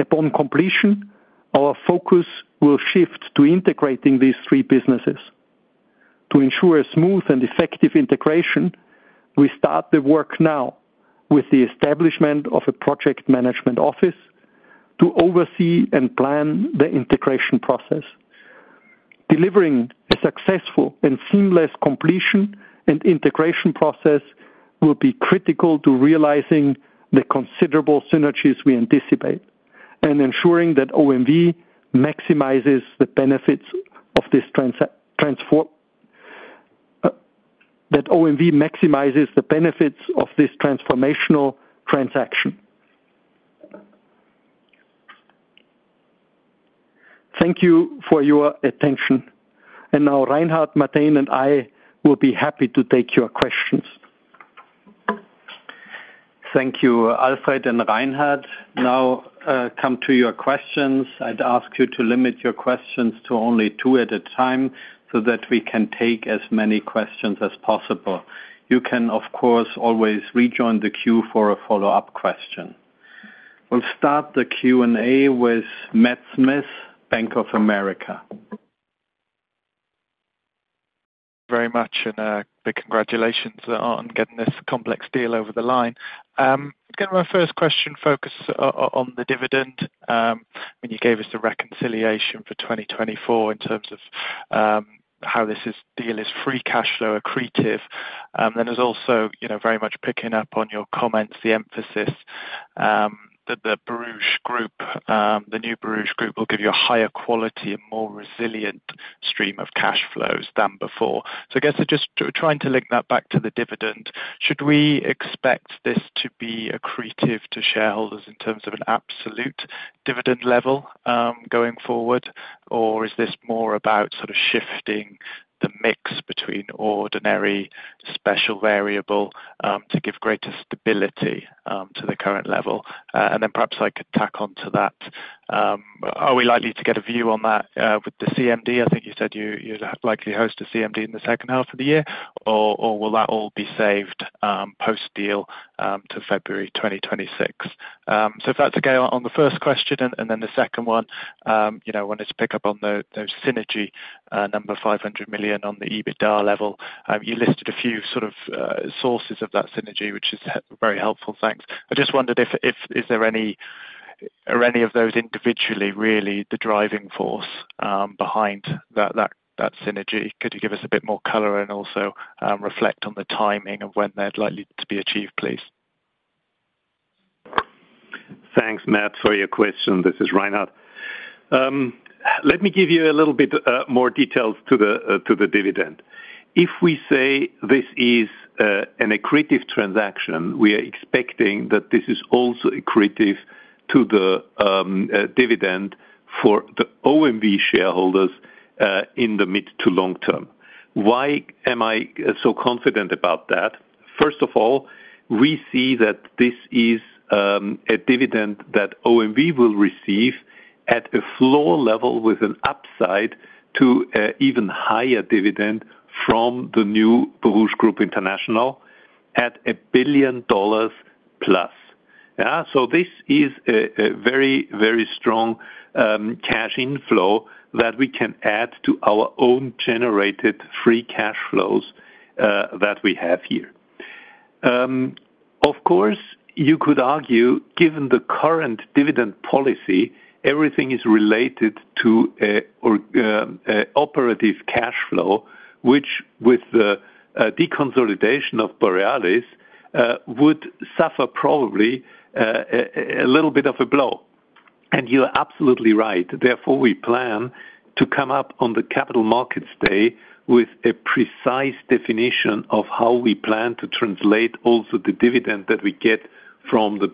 Speaker 3: Upon completion, our focus will shift to integrating these three businesses. To ensure a smooth and effective integration, we start the work now with the establishment of a project management office to oversee and plan the integration process. Delivering a successful and seamless completion and integration process will be critical to realizing the considerable synergies we anticipate and ensuring that OMV maximizes the benefits of this transformational transaction. Thank you for your attention. And now, Reinhard, Martijn, and I will be happy to take your questions.
Speaker 1: Thank you, Alfred and Reinhard. Now, come to your questions. I'd ask you to limit your questions to only two at a time so that we can take as many questions as possible. You can, of course, always rejoin the queue for a follow-up question. We'll start the Q&A with Matt Smith, Bank of America.
Speaker 5: Thank you very much, and big congratulations on getting this complex deal over the line. Going to have a first question focus on the dividend. I mean, you gave us the reconciliation for 2024 in terms of how this deal is free cash flow accretive. And then there's also very much picking up on your comments, the emphasis that the new Borouge Group will give you a higher quality and more resilient stream of cash flows than before. So I guess just trying to link that back to the dividend. Should we expect this to be accretive to shareholders in terms of an absolute dividend level going forward, or is this more about sort of shifting the mix between ordinary, special, variable to give greater stability to the current level? And then perhaps I could tack on to that. Are we likely to get a view on that with the CMD? I think you said you'd likely host a CMD in the second half of the year, or will that all be saved post-deal to February 2026? So if that's okay on the first question and then the second one, I wanted to pick up on the synergy number €500 million on the EBITDA level. You listed a few sort of sources of that synergy, which is very helpful. Thanks. I just wondered if there are any of those individually really the driving force behind that synergy. Could you give us a bit more color and also reflect on the timing of when they're likely to be achieved, please?
Speaker 4: Thanks, Matt, for your question. This is Reinhard. Let me give you a little bit more details to the dividend. If we say this is an accretive transaction, we are expecting that this is also accretive to the dividend for the OMV shareholders in the mid to long term. Why am I so confident about that? First of all, we see that this is a dividend that OMV will receive at a floor level with an upside to an even higher dividend from the new Borouge Group International at $1 billion plus. So this is a very, very strong cash inflow that we can add to our own generated free cash flows that we have here. Of course, you could argue, given the current dividend policy, everything is related to operative cash flow, which with the deconsolidation of Borealis would suffer probably a little bit of a blow, and you're absolutely right. Therefore, we plan to come up on the Capital Markets Day with a precise definition of how we plan to translate also the dividend that we get from the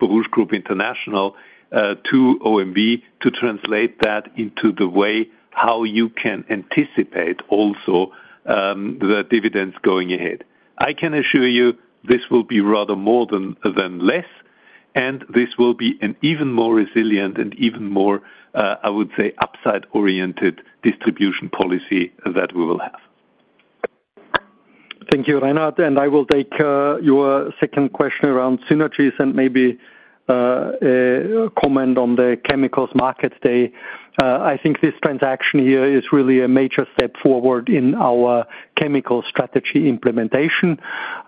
Speaker 4: Borouge Group International to OMV to translate that into the way how you can anticipate also the dividends going ahead. I can assure you this will be rather more than less, and this will be an even more resilient and even more, I would say, upside-oriented distribution policy that we will have.
Speaker 3: Thank you, Reinhard. I will take your second question around synergies and maybe a comment on the Chemicals Markets Day. I think this transaction here is really a major step forward in our chemical strategy implementation.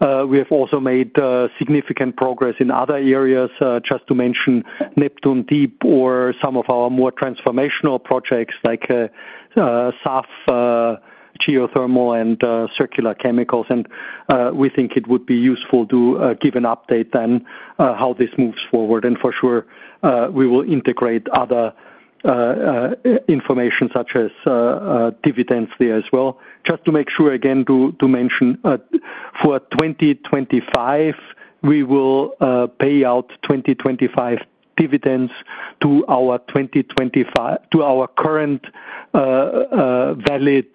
Speaker 3: We have also made significant progress in other areas, just to mention Neptune Deep or some of our more transformational projects like SAF, geothermal, and circular chemicals. We think it would be useful to give an update then on how this moves forward. And for sure, we will integrate other information such as dividends there as well. Just to make sure again to mention, for 2025, we will pay out 2025 dividends to our current valid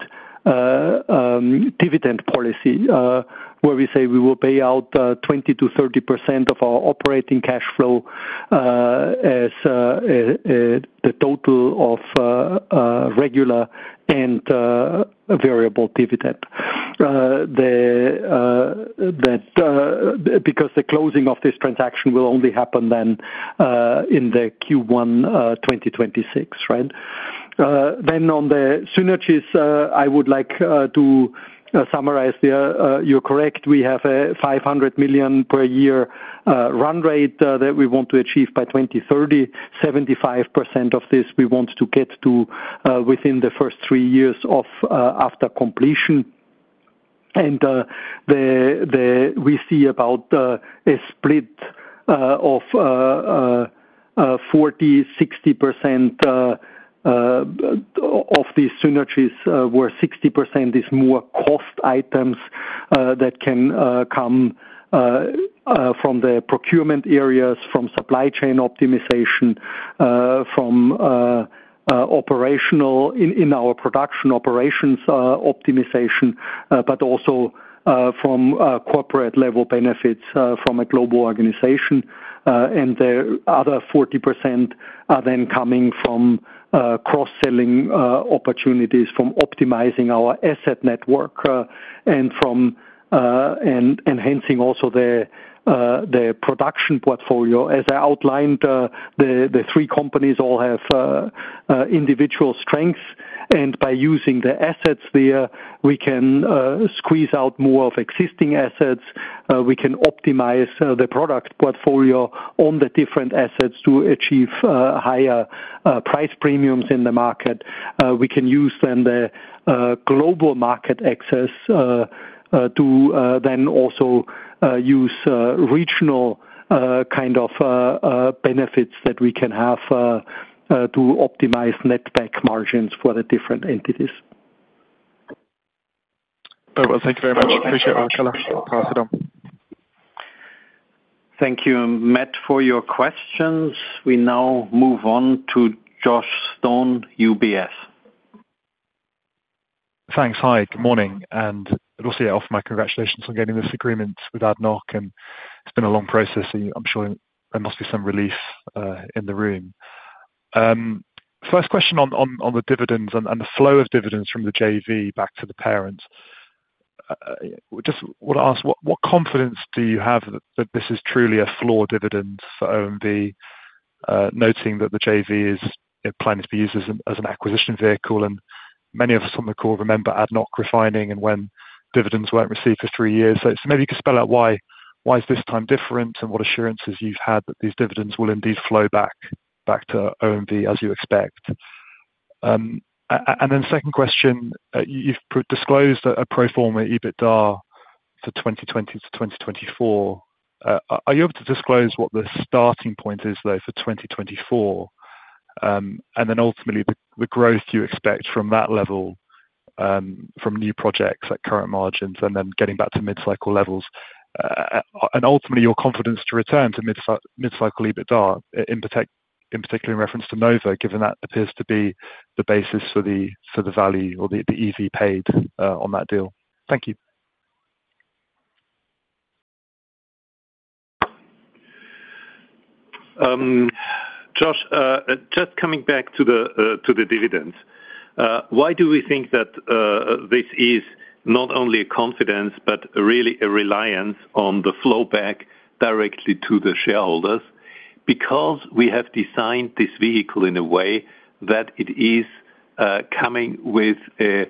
Speaker 3: dividend policy where we say we will pay out 20%-30% of our operating cash flow as the total of regular and variable dividend because the closing of this transaction will only happen then in the Q1 2026, right? Then on the synergies, I would like to summarize there. You're correct. We have a €500 million per year run rate that we want to achieve by 2030. 75% of this we want to get to within the first three years after completion. We see about a split of 40%, 60% of these synergies where 60% is more cost items that can come from the procurement areas, from supply chain optimization, from operational in our production operations optimization, but also from corporate-level benefits from a global organization. The other 40% are then coming from cross-selling opportunities, from optimizing our asset network and enhancing also the production portfolio. As I outlined, the three companies all have individual strengths. By using the assets there, we can squeeze out more of existing assets. We can optimize the product portfolio on the different assets to achieve higher price premiums in the market. We can use then the global market access to then also use regional kind of benefits that we can have to optimize net back margins for the different entities.
Speaker 4: Thank you very much. Appreciate our collaboration. Thank you, Matt, for your questions.
Speaker 1: We now move on to Josh Stone, UBS.
Speaker 6: Thanks. Hi. Good morning. And also offer my congratulations on getting this agreement with ADNOC, and it's been a long process. I'm sure there must be some relief in the room. First question on the dividends and the flow of dividends from the JV back to the parents. Just want to ask, what confidence do you have that this is truly a floor dividend for OMV, noting that the JV is planning to be used as an acquisition vehicle? And many of us on the call remember ADNOC refining and when dividends weren't received for three years. So maybe you could spell out why this time different and what assurances you've had that these dividends will indeed flow back to OMV as you expect. And then second question, you've disclosed a pro forma EBITDA for 2020 to 2024. Are you able to disclose what the starting point is, though, for 2024? And then ultimately, the growth you expect from that level from new projects at current margins and then getting back to mid-cycle levels. And ultimately, your confidence to return to mid-cycle EBITDA, in particular in reference to Nova, given that appears to be the basis for the value or the EV paid on that deal.
Speaker 4: Thank you. Josh, just coming back to the dividends, why do we think that this is not only a confidence but really a reliance on the flow back directly to the shareholders? Because we have designed this vehicle in a way that it is coming with a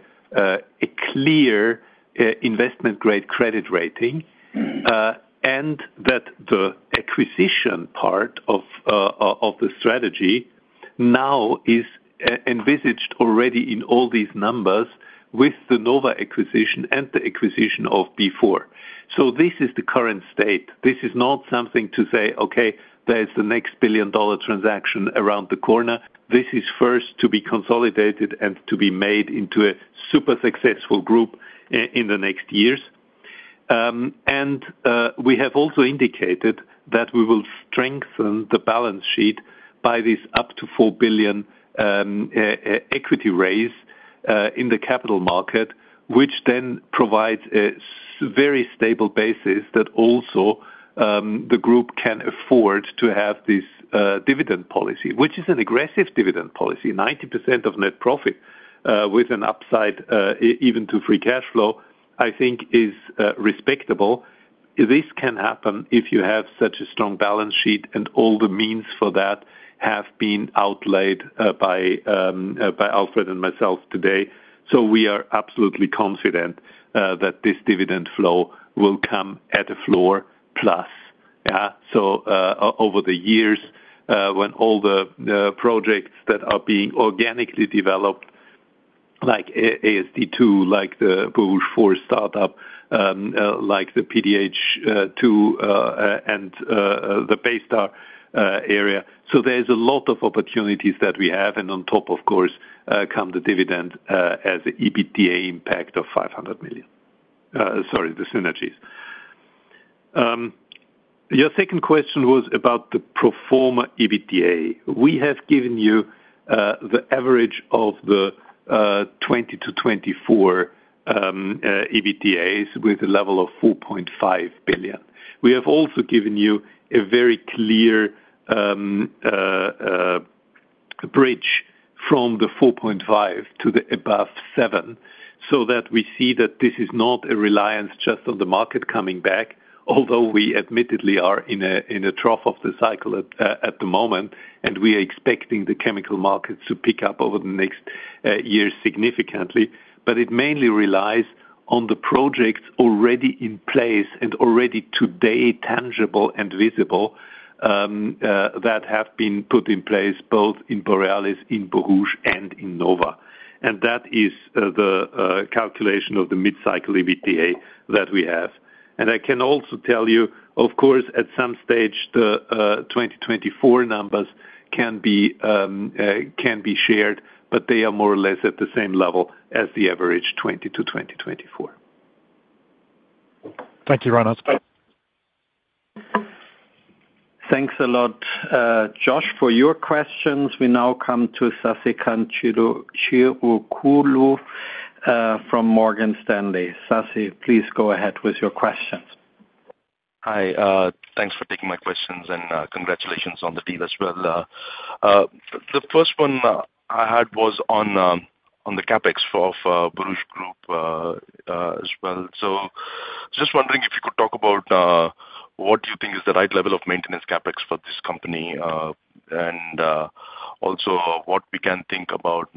Speaker 4: clear investment-grade credit rating and that the acquisition part of the strategy now is envisaged already in all these numbers with the Nova acquisition and the acquisition of B4. So this is the current state. This is not something to say, "Okay, there's the next billion-dollar transaction around the corner." This is first to be consolidated and to be made into a super successful group in the next years, and we have also indicated that we will strengthen the balance sheet by this up to four billion equity raise in the capital market, which then provides a very stable basis that also the group can afford to have this dividend policy, which is an aggressive dividend policy. 90% of net profit with an upside even to free cash flow, I think, is respectable. This can happen if you have such a strong balance sheet and all the means for that have been outlaid by Alfred and myself today, so we are absolutely confident that this dividend flow will come at a floor plus. So over the years, when all the projects that are being organically developed, like AST2, like the Borouge 4 startup, like the PDH2, and the Baystar area. So there's a lot of opportunities that we have. And on top, of course, come the dividend as an EBITDA impact of 500 million. Sorry, the synergies. Your second question was about the pro forma EBITDA. We have given you the average of the 2020 to 2024 EBITDAs with a level of 4.5 billion. We have also given you a very clear bridge from the 4.5 to the above 7 so that we see that this is not a reliance just on the market coming back, although we admittedly are in a trough of the cycle at the moment, and we are expecting the chemical markets to pick up over the next year significantly. But it mainly relies on the projects already in place and already today tangible and visible that have been put in place both in Borealis, in Borouge, and in Nova. And that is the calculation of the mid-cycle EBITDA that we have. And I can also tell you, of course, at some stage, the 2024 numbers can be shared, but they are more or less at the same level as the average 2020 to 2024.
Speaker 1: Thank you, Reinhard. Thanks a lot, Josh, for your questions. We now come to Sasikanth Chilukuru from Morgan Stanley. Sasikanth, please go ahead with your questions.
Speaker 7: Hi. Thanks for taking my questions and congratulations on the deal as well. The first one I had was on the CapEx of Borouge Group as well. So just wondering if you could talk about what you think is the right level of maintenance CapEx for this company and also what we can think about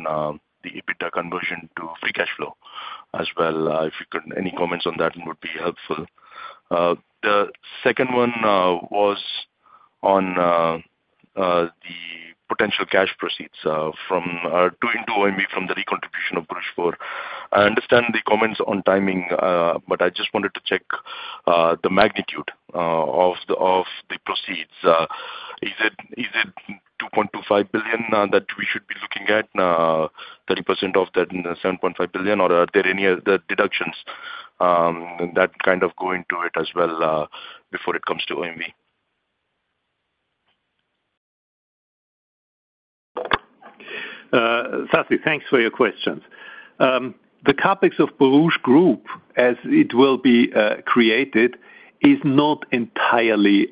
Speaker 7: the EBITDA conversion to free cash flow as well. If you could, any comments on that would be helpful. The second one was on the potential cash proceeds from going to OMV from the recontribution of Borouge 4. I understand the comments on timing, but I just wanted to check the magnitude of the proceeds. Is it 2.25 billion that we should be looking at, 30% of that 7.5 billion, or are there any other deductions that kind of go into it as well before it comes to OMV? Sasi, thanks for your questions. The CapEx of Borouge Group, as it will be created, is not entirely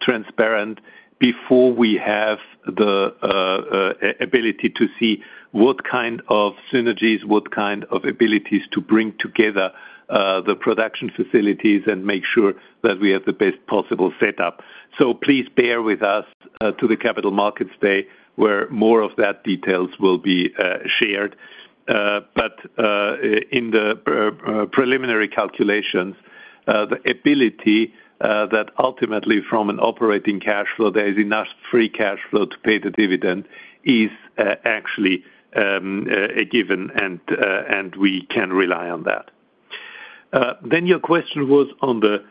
Speaker 7: transparent before we have the ability to see what kind of synergies, what kind of abilities to bring together the production facilities and make sure that we have the best possible setup, so please bear with us to the capital markets day where more of that details will be shared. But in the preliminary calculations, the ability that ultimately from an operating cash flow, there is enough free cash flow to pay the dividend is actually a given, and we can rely on that. Then your question was on the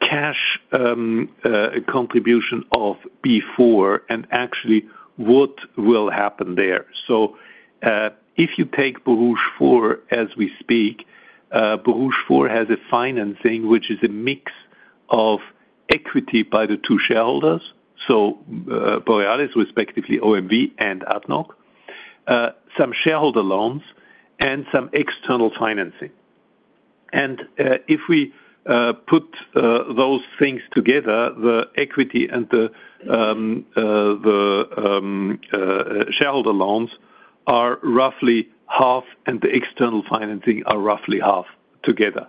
Speaker 7: cash contribution of B4 and actually what will happen there. So if you take Borouge 4 as we speak, Borouge 4 has a financing which is a mix of equity by the two shareholders, so Borealis, respectively OMV and ADNOC, some shareholder loans, and some external financing. If we put those things together, the equity and the shareholder loans are roughly half, and the external financing are roughly half together.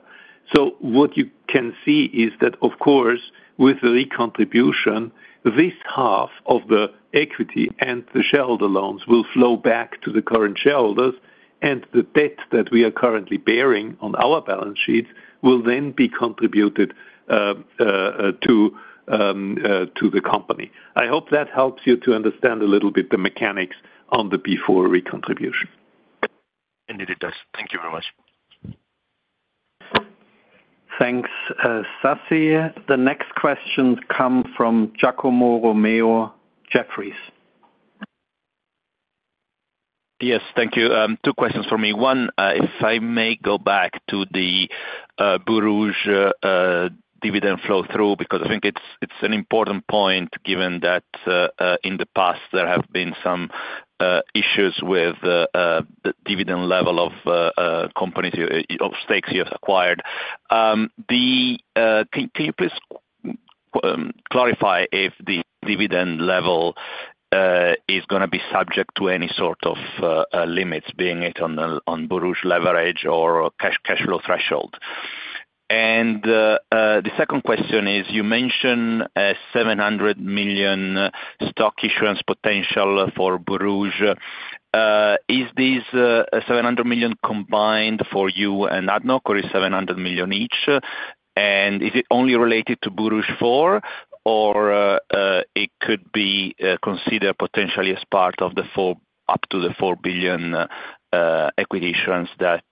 Speaker 7: So what you can see is that, of course, with the recontribution, this half of the equity and the shareholder loans will flow back to the current shareholders, and the debt that we are currently bearing on our balance sheets will then be contributed to the company. I hope that helps you to understand a little bit the mechanics on the B4 recontribution. Indeed, it does. Thank you very much.
Speaker 1: Thanks, Sasi. The next questions come from Giacomo Romeo, Jefferies.
Speaker 8: Yes, thank you. Two questions for me. One, if I may go back to the Borouge dividend flow through because I think it's an important point given that in the past there have been some issues with the dividend level of companies or stakes you have acquired. Can you please clarify if the dividend level is going to be subject to any sort of limits, be it on Borouge leverage or cash flow threshold? And the second question is, you mentioned a 700 million stock issuance potential for Borouge. Is this 700 million combined for you and ADNOC, or is it 700 million each? And is it only related to Borouge 4, or it could be considered potentially as part of the up to the 4 billion equity issuance that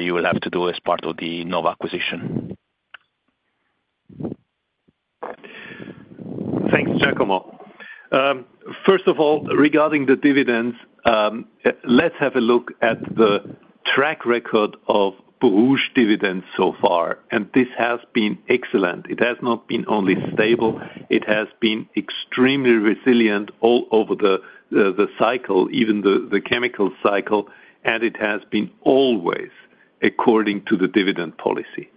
Speaker 8: you will have to do as part of the Nova acquisition? Thanks, Giacomo.
Speaker 4: First of all, regarding the dividends, let's have a look at the track record of Borouge dividends so far, and this has been excellent. It has not been only stable. It has been extremely resilient all over the cycle, even the chemical cycle, and it has been always according to the dividend policy.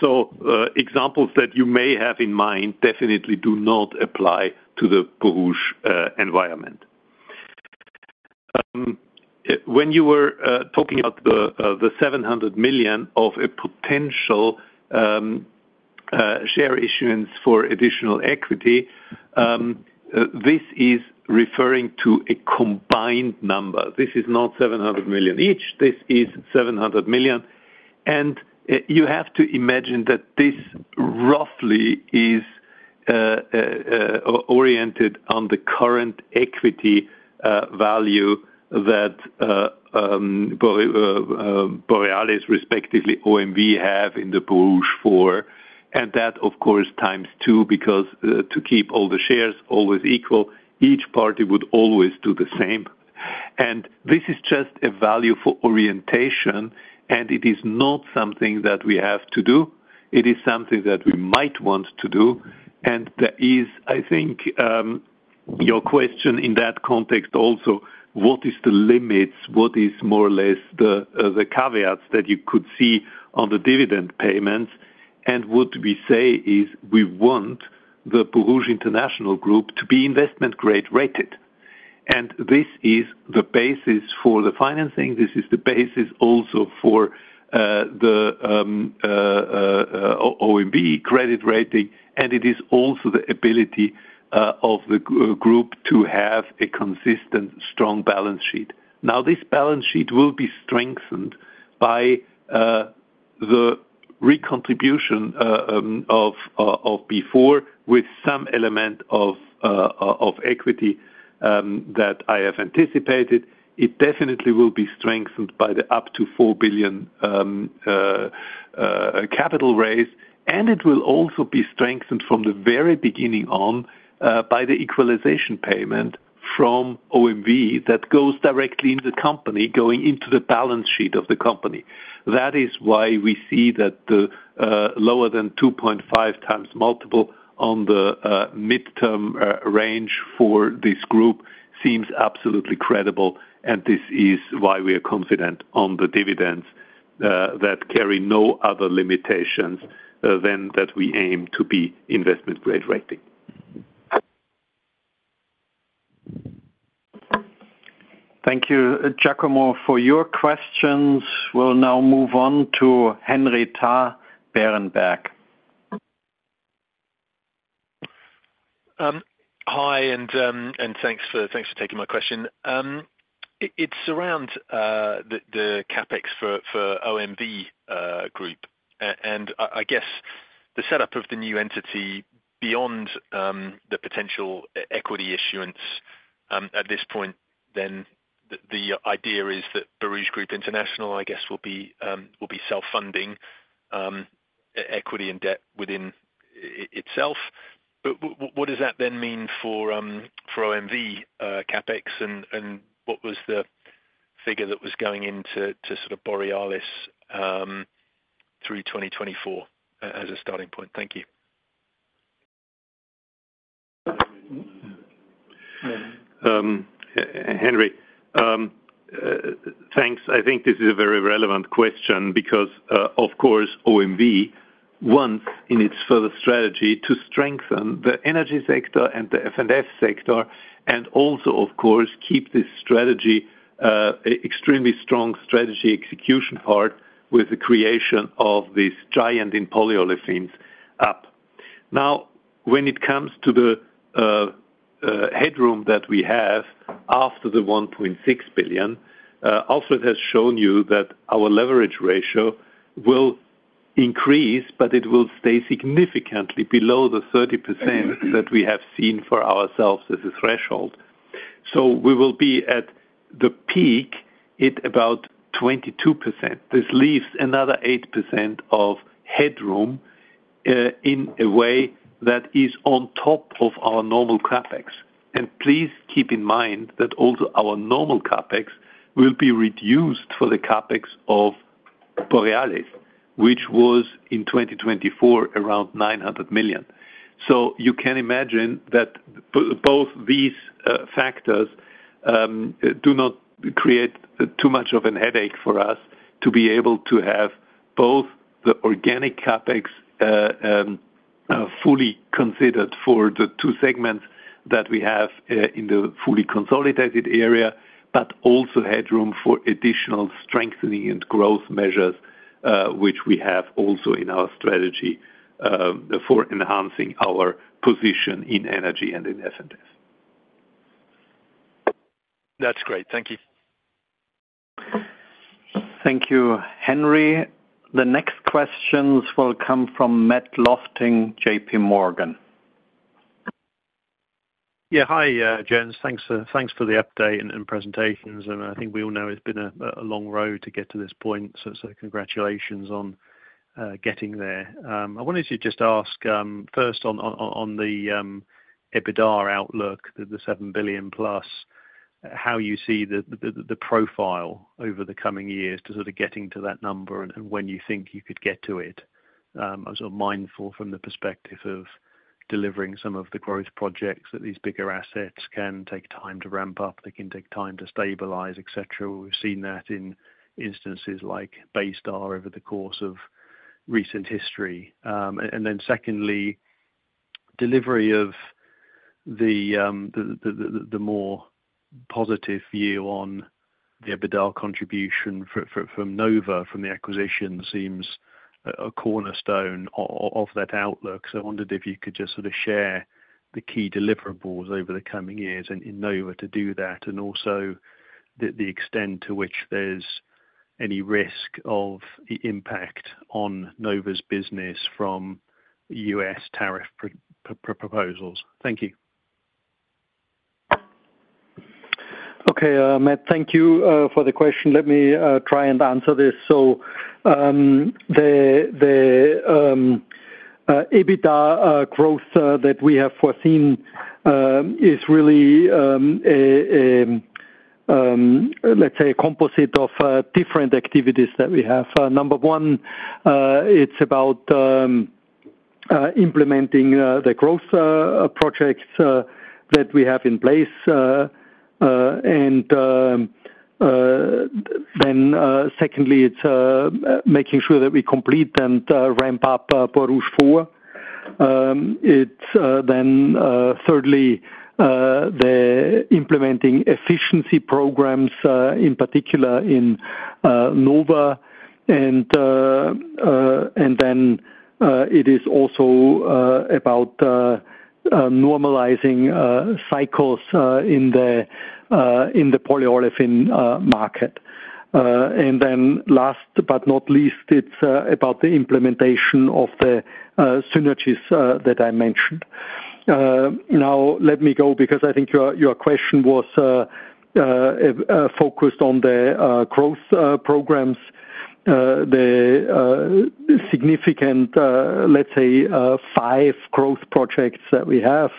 Speaker 4: So examples that you may have in mind definitely do not apply to the Borouge environment. When you were talking about the 700 million of a potential share issuance for additional equity, this is referring to a combined number. This is not 700 million each. This is 700 million, and you have to imagine that this roughly is oriented on the current equity value that Borealis, respectively OMV, have in the Borouge 4, and that, of course, times two because to keep all the shares always equal, each party would always do the same. This is just a value for orientation, and it is not something that we have to do. It is something that we might want to do. There is, I think, your question in that context also, what is the limits? What is more or less the caveats that you could see on the dividend payments? What we say is we want the Borouge Group International to be investment-grade rated. This is the basis for the financing. This is the basis also for the OMV credit rating, and it is also the ability of the group to have a consistent, strong balance sheet. Now, this balance sheet will be strengthened by the recontribution of B4 with some element of equity that I have anticipated. It definitely will be strengthened by the up to 4 billion capital raise, and it will also be strengthened from the very beginning on by the equalization payment from OMV that goes directly in the company going into the balance sheet of the company. That is why we see that the lower than 2.5 times multiple on the mid-term range for this group seems absolutely credible, and this is why we are confident on the dividends that carry no other limitations than that we aim to be investment-grade rating. Thank you, Giacomo, for your questions. We'll now move on to Henry Tarr at Berenberg.
Speaker 9: Hi, and thanks for taking my question. It's around the CapEx for OMV Group, and I guess the setup of the new entity beyond the potential equity issuance at this point. Then the idea is that Borouge Group International, I guess, will be self-funding equity and debt within itself. But what does that then mean for OMV CapEx, and what was the figure that was going into sort of Borealis through 2024 as a starting point?
Speaker 4: Thank you. Henri, thanks. I think this is a very relevant question because, of course, OMV wants in its further strategy to strengthen the energy sector and the F&F sector and also, of course, keep this strategy, extremely strong strategy execution part with the creation of this giant in polyolefins up. Now, when it comes to the headroom that we have after the 1.6 billion, Alfred has shown you that our leverage ratio will increase, but it will stay significantly below the 30% that we have seen for ourselves as a threshold. So we will be at the peak at about 22%. This leaves another 8% of headroom in a way that is on top of our normal CapEx. And please keep in mind that also our normal CapEx will be reduced for the CapEx of Borealis, which was in 2024 around 900 million. So you can imagine that both these factors do not create too much of a headache for us to be able to have both the organic CapEx fully considered for the two segments that we have in the fully consolidated area, but also headroom for additional strengthening and growth measures, which we have also in our strategy for enhancing our position in energy and in F&F. That's great. Thank you. Thank you, Henry. The next questions will come from Matt Lofting, J.P. Morgan.
Speaker 10: Yeah, hi, Jens. Thanks for the update and presentations. And I think we all know it's been a long road to get to this point, so congratulations on getting there. I wanted to just ask first on the EBITDA outlook, the 7 billion plus, how you see the profile over the coming years to sort of getting to that number and when you think you could get to it? I was mindful from the perspective of delivering some of the growth projects that these bigger assets can take time to ramp up, they can take time to stabilize, etc. We've seen that in instances like Baystar over the course of recent history. And then secondly, delivery of the more positive view on the EBITDA contribution from Nova from the acquisition seems a cornerstone of that outlook. So I wondered if you could just sort of share the key deliverables over the coming years in Nova to do that, and also the extent to which there's any risk of impact on Nova's business from U.S. tariff proposals. Thank you.
Speaker 3: Okay, Matt, thank you for the question. Let me try and answer this. So the EBITDA growth that we have foreseen is really, let's say, a composite of different activities that we have. Number one, it's about implementing the growth projects that we have in place, and then secondly, it's making sure that we complete and ramp up Borouge 4, then thirdly, implementing efficiency programs in particular in Nova, and then it is also about normalizing cycles in the polyolefin market, and then last but not least, it's about the implementation of the synergies that I mentioned. Now, let me go because I think your question was focused on the growth programs. The significant, let's say, five growth projects that we have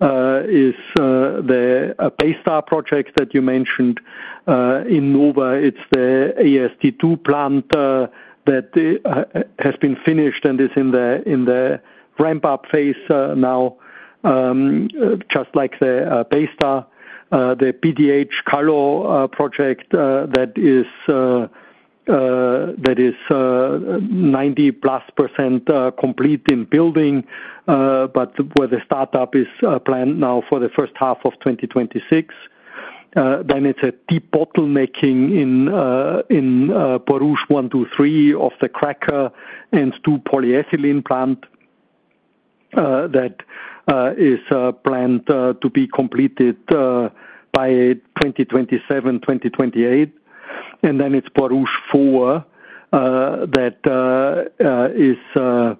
Speaker 3: is the Baystar project that you mentioned. In Nova, it's the AST2 plant that has been finished and is in the ramp-up phase now, just like the Baystar. The PDH Kallo project that is 90+% complete in building, but where the startup is planned now for the first half of 2026, then it's debottlenecking in Borouge 1, 2, 3 of the cracker and new polyethylene plant that is planned to be completed by 2027-2028. And then it's Borouge 4 that is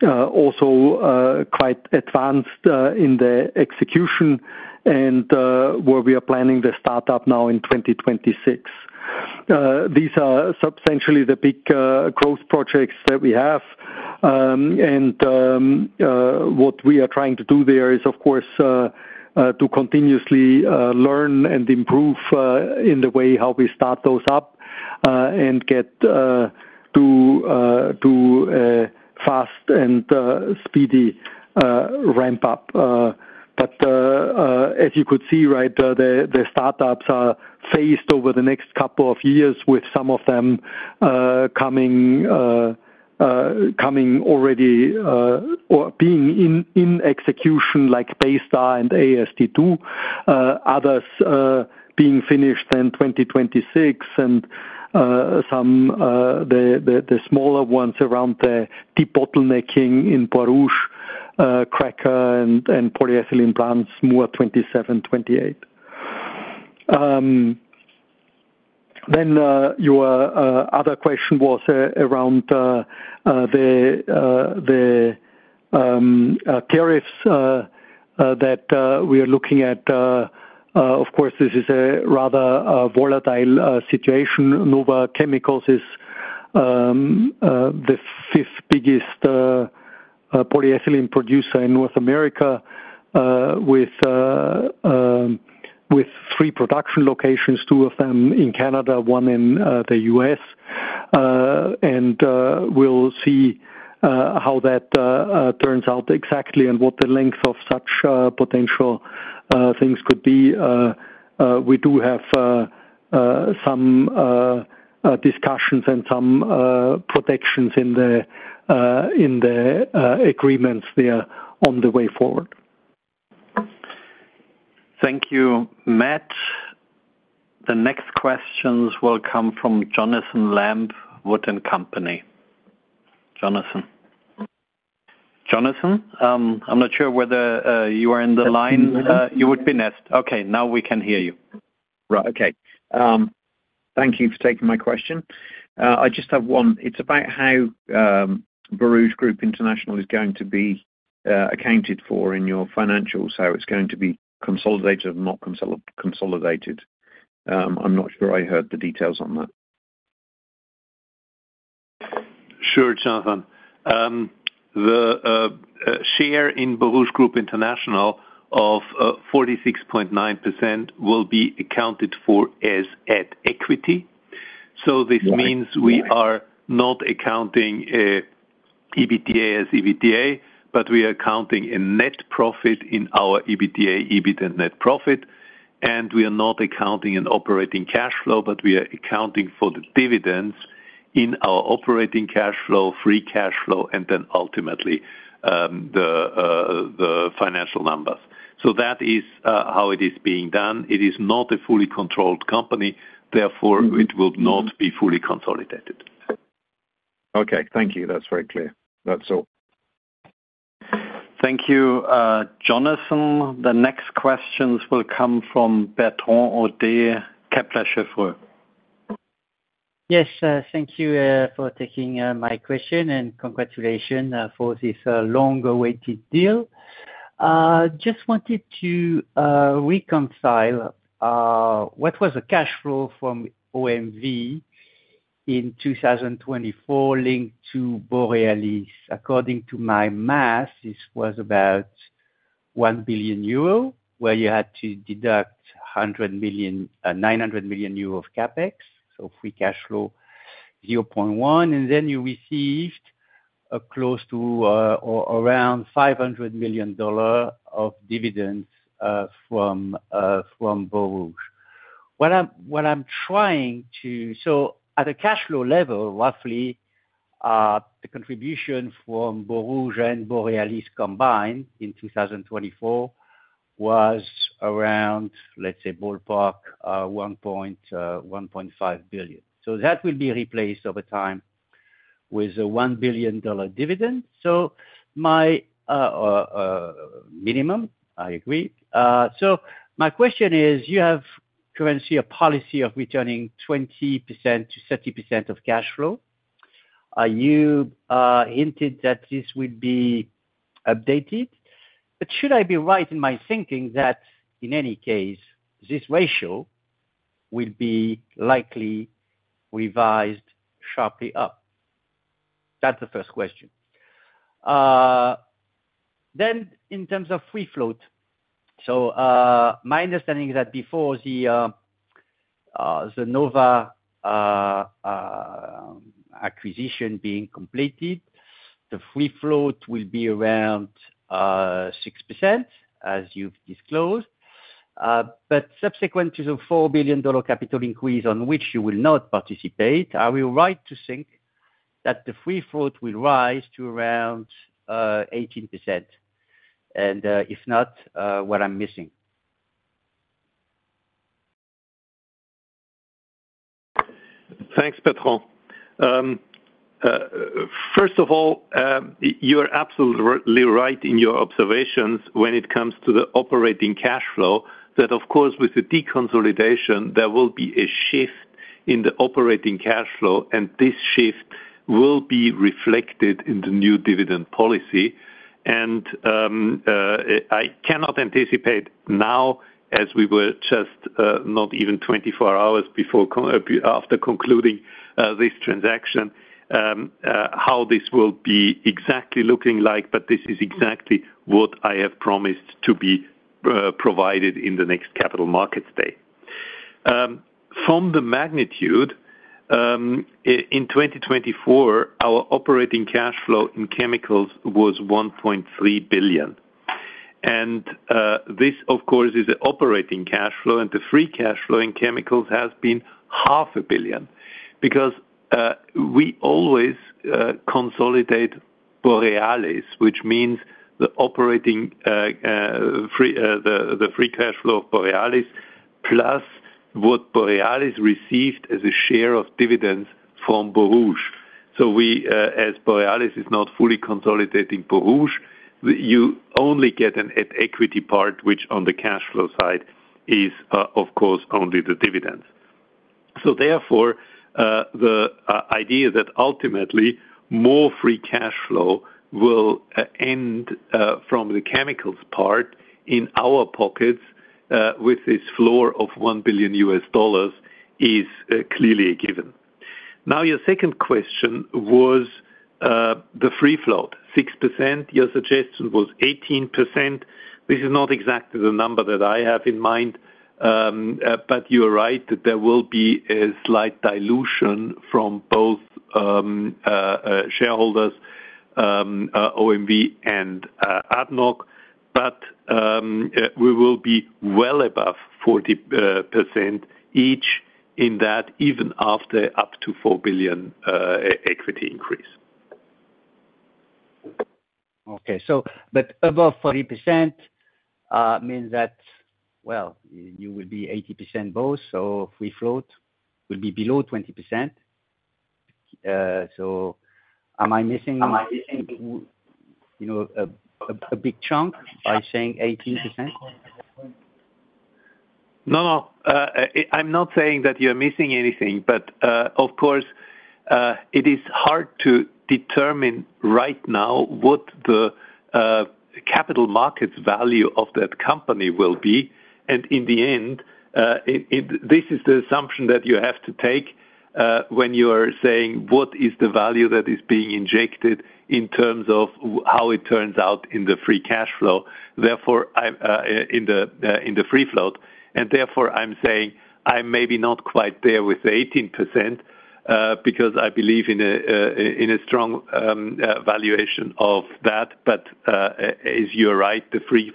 Speaker 3: also quite advanced in the execution and where we are planning the startup now in 2026. These are substantially the big growth projects that we have, and what we are trying to do there is, of course, to continuously learn and improve in the way how we start those up and get to fast and speedy ramp-up. But as you could see, right, the startups are phased over the next couple of years with some of them already being in execution like Baystar and AST2, others being finished in 2026, and some of the smaller ones around the debottlenecking in Borouge cracker and polyethylene plants, more 27, 28. Then your other question was around the tariffs that we are looking at. Of course, this is a rather volatile situation. Nova Chemicals is the fifth biggest polyethylene producer in North America with three production locations, two of them in Canada, one in the U.S. And we'll see how that turns out exactly and what the length of such potential things could be. We do have some discussions and some protections in the agreements there on the way forward.
Speaker 1: Thank you, Matt. The next questions will come from Jonathan Lamb, Wood & Company. Jonathan? Jonathan? I'm not sure whether you are in the line. You would be next. Okay, now we can hear you. Right, okay.
Speaker 11: Thank you for taking my question. I just have one. It's about how Borouge Group International is going to be accounted for in your financials, how it's going to be consolidated or not consolidated. I'm not sure I heard the details on that.
Speaker 3: Sure, Jonathan. The share in Borouge Group International of 46.9% will be accounted for as equity. So this means we are not accounting EBITDA as EBITDA, but we are accounting a net profit in our EBITDA, EBIT and net profit, and we are not accounting an operating cash flow, but we are accounting for the dividends in our operating cash flow, free cash flow, and then ultimately the financial numbers. So that is how it is being done. It is not a fully controlled company. Therefore, it will not be fully consolidated.
Speaker 1: Okay, thank you. That's very clear. That's all. Thank you, Jonathan. The next questions will come from Bertrand Hodee, Kepler Chevreux.
Speaker 12: Yes, thank you for taking my question and congratulations for this long-awaited deal. Just wanted to reconcile what was the cash flow from OMV in 2024 linked to Borealis. According to my math, this was about 1 billion euro where you had to deduct 900 million euro of CapEx, so free cash flow 0.1, and then you received close to around $500 million of dividends from Borouge. What I'm trying to—so at a cash flow level, roughly, the contribution from Borouge and Borealis combined in 2024 was around, let's say, ballpark 1.5 billion. So that will be replaced over time with a $1 billion dividend. So my minimum, I agree. My question is, you have currently a policy of returning 20%-30% of cash flow. You hinted that this will be updated. Should I be right in my thinking that in any case, this ratio will be likely revised sharply up? That's the first question. In terms of free float, so my understanding is that before the Nova acquisition being completed, the free float will be around 6%, as you've disclosed. Subsequent to the $4 billion capital increase on which you will not participate, are you right to think that the free float will rise to around 18%? If not, what I'm missing. Thanks, Bertrand.
Speaker 3: First of all, you're absolutely right in your observations when it comes to the operating cash flow that, of course, with the deconsolidation, there will be a shift in the operating cash flow, and this shift will be reflected in the new dividend policy, and I cannot anticipate now, as we were just not even 24 hours after concluding this transaction, how this will be exactly looking like, but this is exactly what I have promised to be provided in the next Capital Markets Day. From the magnitude, in 2024, our operating cash flow in chemicals was 1.3 billion, and this, of course, is the operating cash flow, and the free cash flow in chemicals has been 500 million because we always consolidate Borealis, which means the operating free cash flow of Borealis plus what Borealis received as a share of dividends from Borouge. So as Borealis is not fully consolidating Borouge, you only get an equity part, which on the cash flow side is, of course, only the dividends. So therefore, the idea that ultimately more free cash flow will end from the chemicals part in our pockets with this floor of $1 billion is clearly a given. Now, your second question was the free float, 6%. Your suggestion was 18%. This is not exactly the number that I have in mind, but you are right that there will be a slight dilution from both shareholders, OMV and ADNOC, but we will be well above 40% each in that even after up to $4 billion equity increase.
Speaker 12: Okay, but above 40% means that, well, you will be 80% both, so free float will be below 20%. So am I missing a big chunk by saying 18%? No, no.
Speaker 3: I'm not saying that you're missing anything, but of course, it is hard to determine right now what the capital markets value of that company will be. And in the end, this is the assumption that you have to take when you are saying what is the value that is being injected in terms of how it turns out in the free cash flow, in the free float. And therefore, I'm saying I'm maybe not quite there with 18% because I believe in a strong valuation of that. But as you are right, the free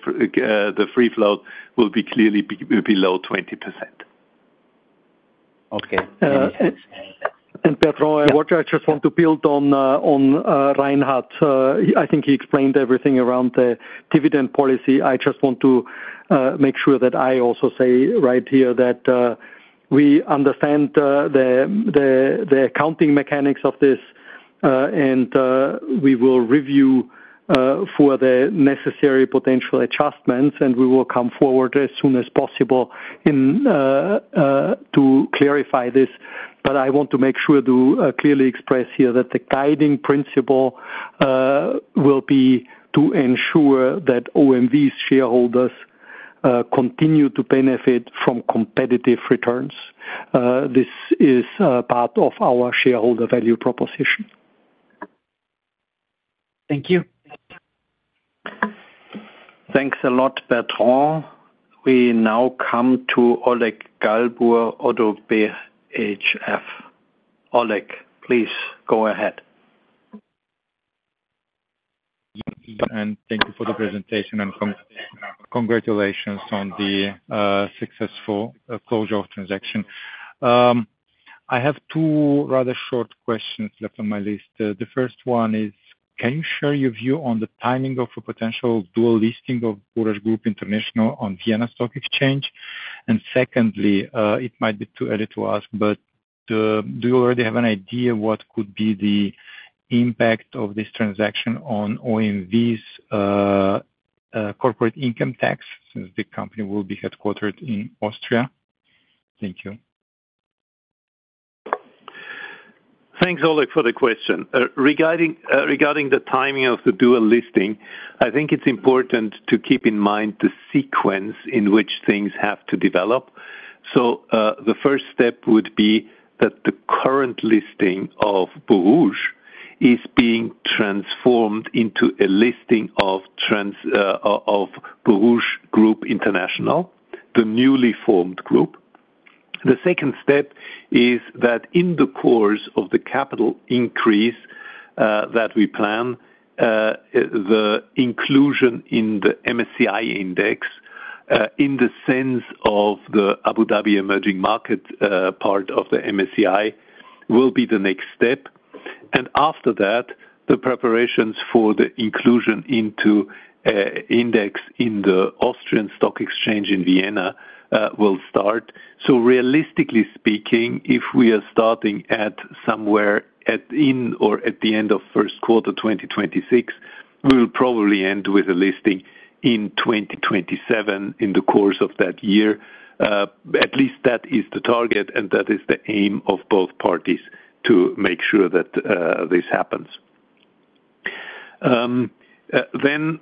Speaker 3: float will be clearly below 20%. Okay. And Bertrand, what I just want to build on Reinhard. I think he explained everything around the dividend policy. I just want to make sure that I also say right here that we understand the accounting mechanics of this, and we will review for the necessary potential adjustments, and we will come forward as soon as possible to clarify this. But I want to make sure to clearly express here that the guiding principle will be to ensure that OMV's shareholders continue to benefit from competitive returns. This is part of our shareholder value proposition. Thank you.
Speaker 1: Thanks a lot, Bertrand. We now come to Oleg Galbur of Raiffeisen Bank International. Oleg, please go ahead.
Speaker 13: And secondly, it might be too early to ask, but do you already have an idea what could be the impact of this transaction on OMV's corporate income tax since the company will be headquartered in Austria?
Speaker 4: Thank you. Thanks, Oleg, for the question. Regarding the timing of the dual listing, I think it's important to keep in mind the sequence in which things have to develop. So the first step would be that the current listing of Borouge is being transformed into a listing of Borouge Group International, the newly formed group. The second step is that in the course of the capital increase that we plan, the inclusion in the MSCI index in the sense of the Abu Dhabi Emerging Markets part of the MSCI will be the next step. And after that, the preparations for the inclusion into index in the Vienna Stock Exchange will start. So realistically speaking, if we are starting somewhere in or at the end of first quarter 2026, we will probably end with a listing in 2027 in the course of that year. At least that is the target, and that is the aim of both parties to make sure that this happens. Then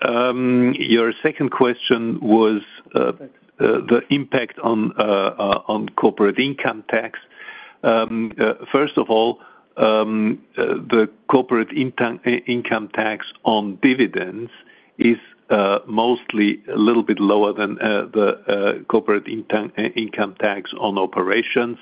Speaker 4: your second question was the impact on corporate income tax. First of all, the corporate income tax on dividends is mostly a little bit lower than the corporate income tax on operations.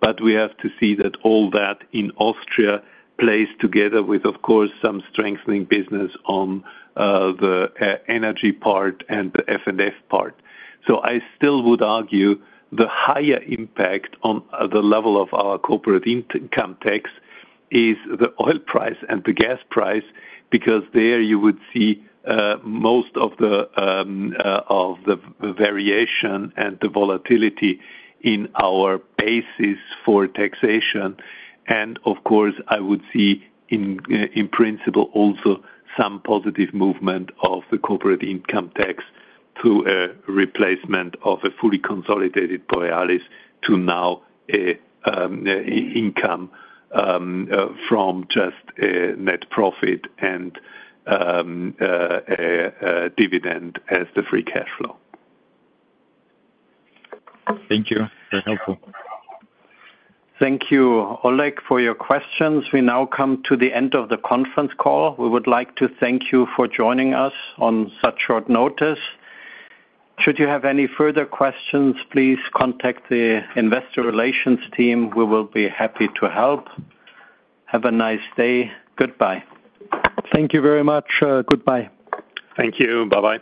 Speaker 4: But we have to see that all that in Austria plays together with, of course, some strengthening business on the energy part and the F&F part. So I still would argue the higher impact on the level of our corporate income tax is the oil price and the gas price because there you would see most of the variation and the volatility in our basis for taxation. And of course, I would see in principle also some positive movement of the corporate income tax through a replacement of a fully consolidated Borealis to now an income from just net profit and dividend as the free cash flow. Thank you. Very helpful.
Speaker 1: Thank you, Oleg, for your questions. We now come to the end of the conference call. We would like to thank you for joining us on such short notice. Should you have any further questions, please contact the investor relations team. We will be happy to help. Have a nice day. Goodbye. Thank you very much. Goodbye. Thank you. Bye-bye.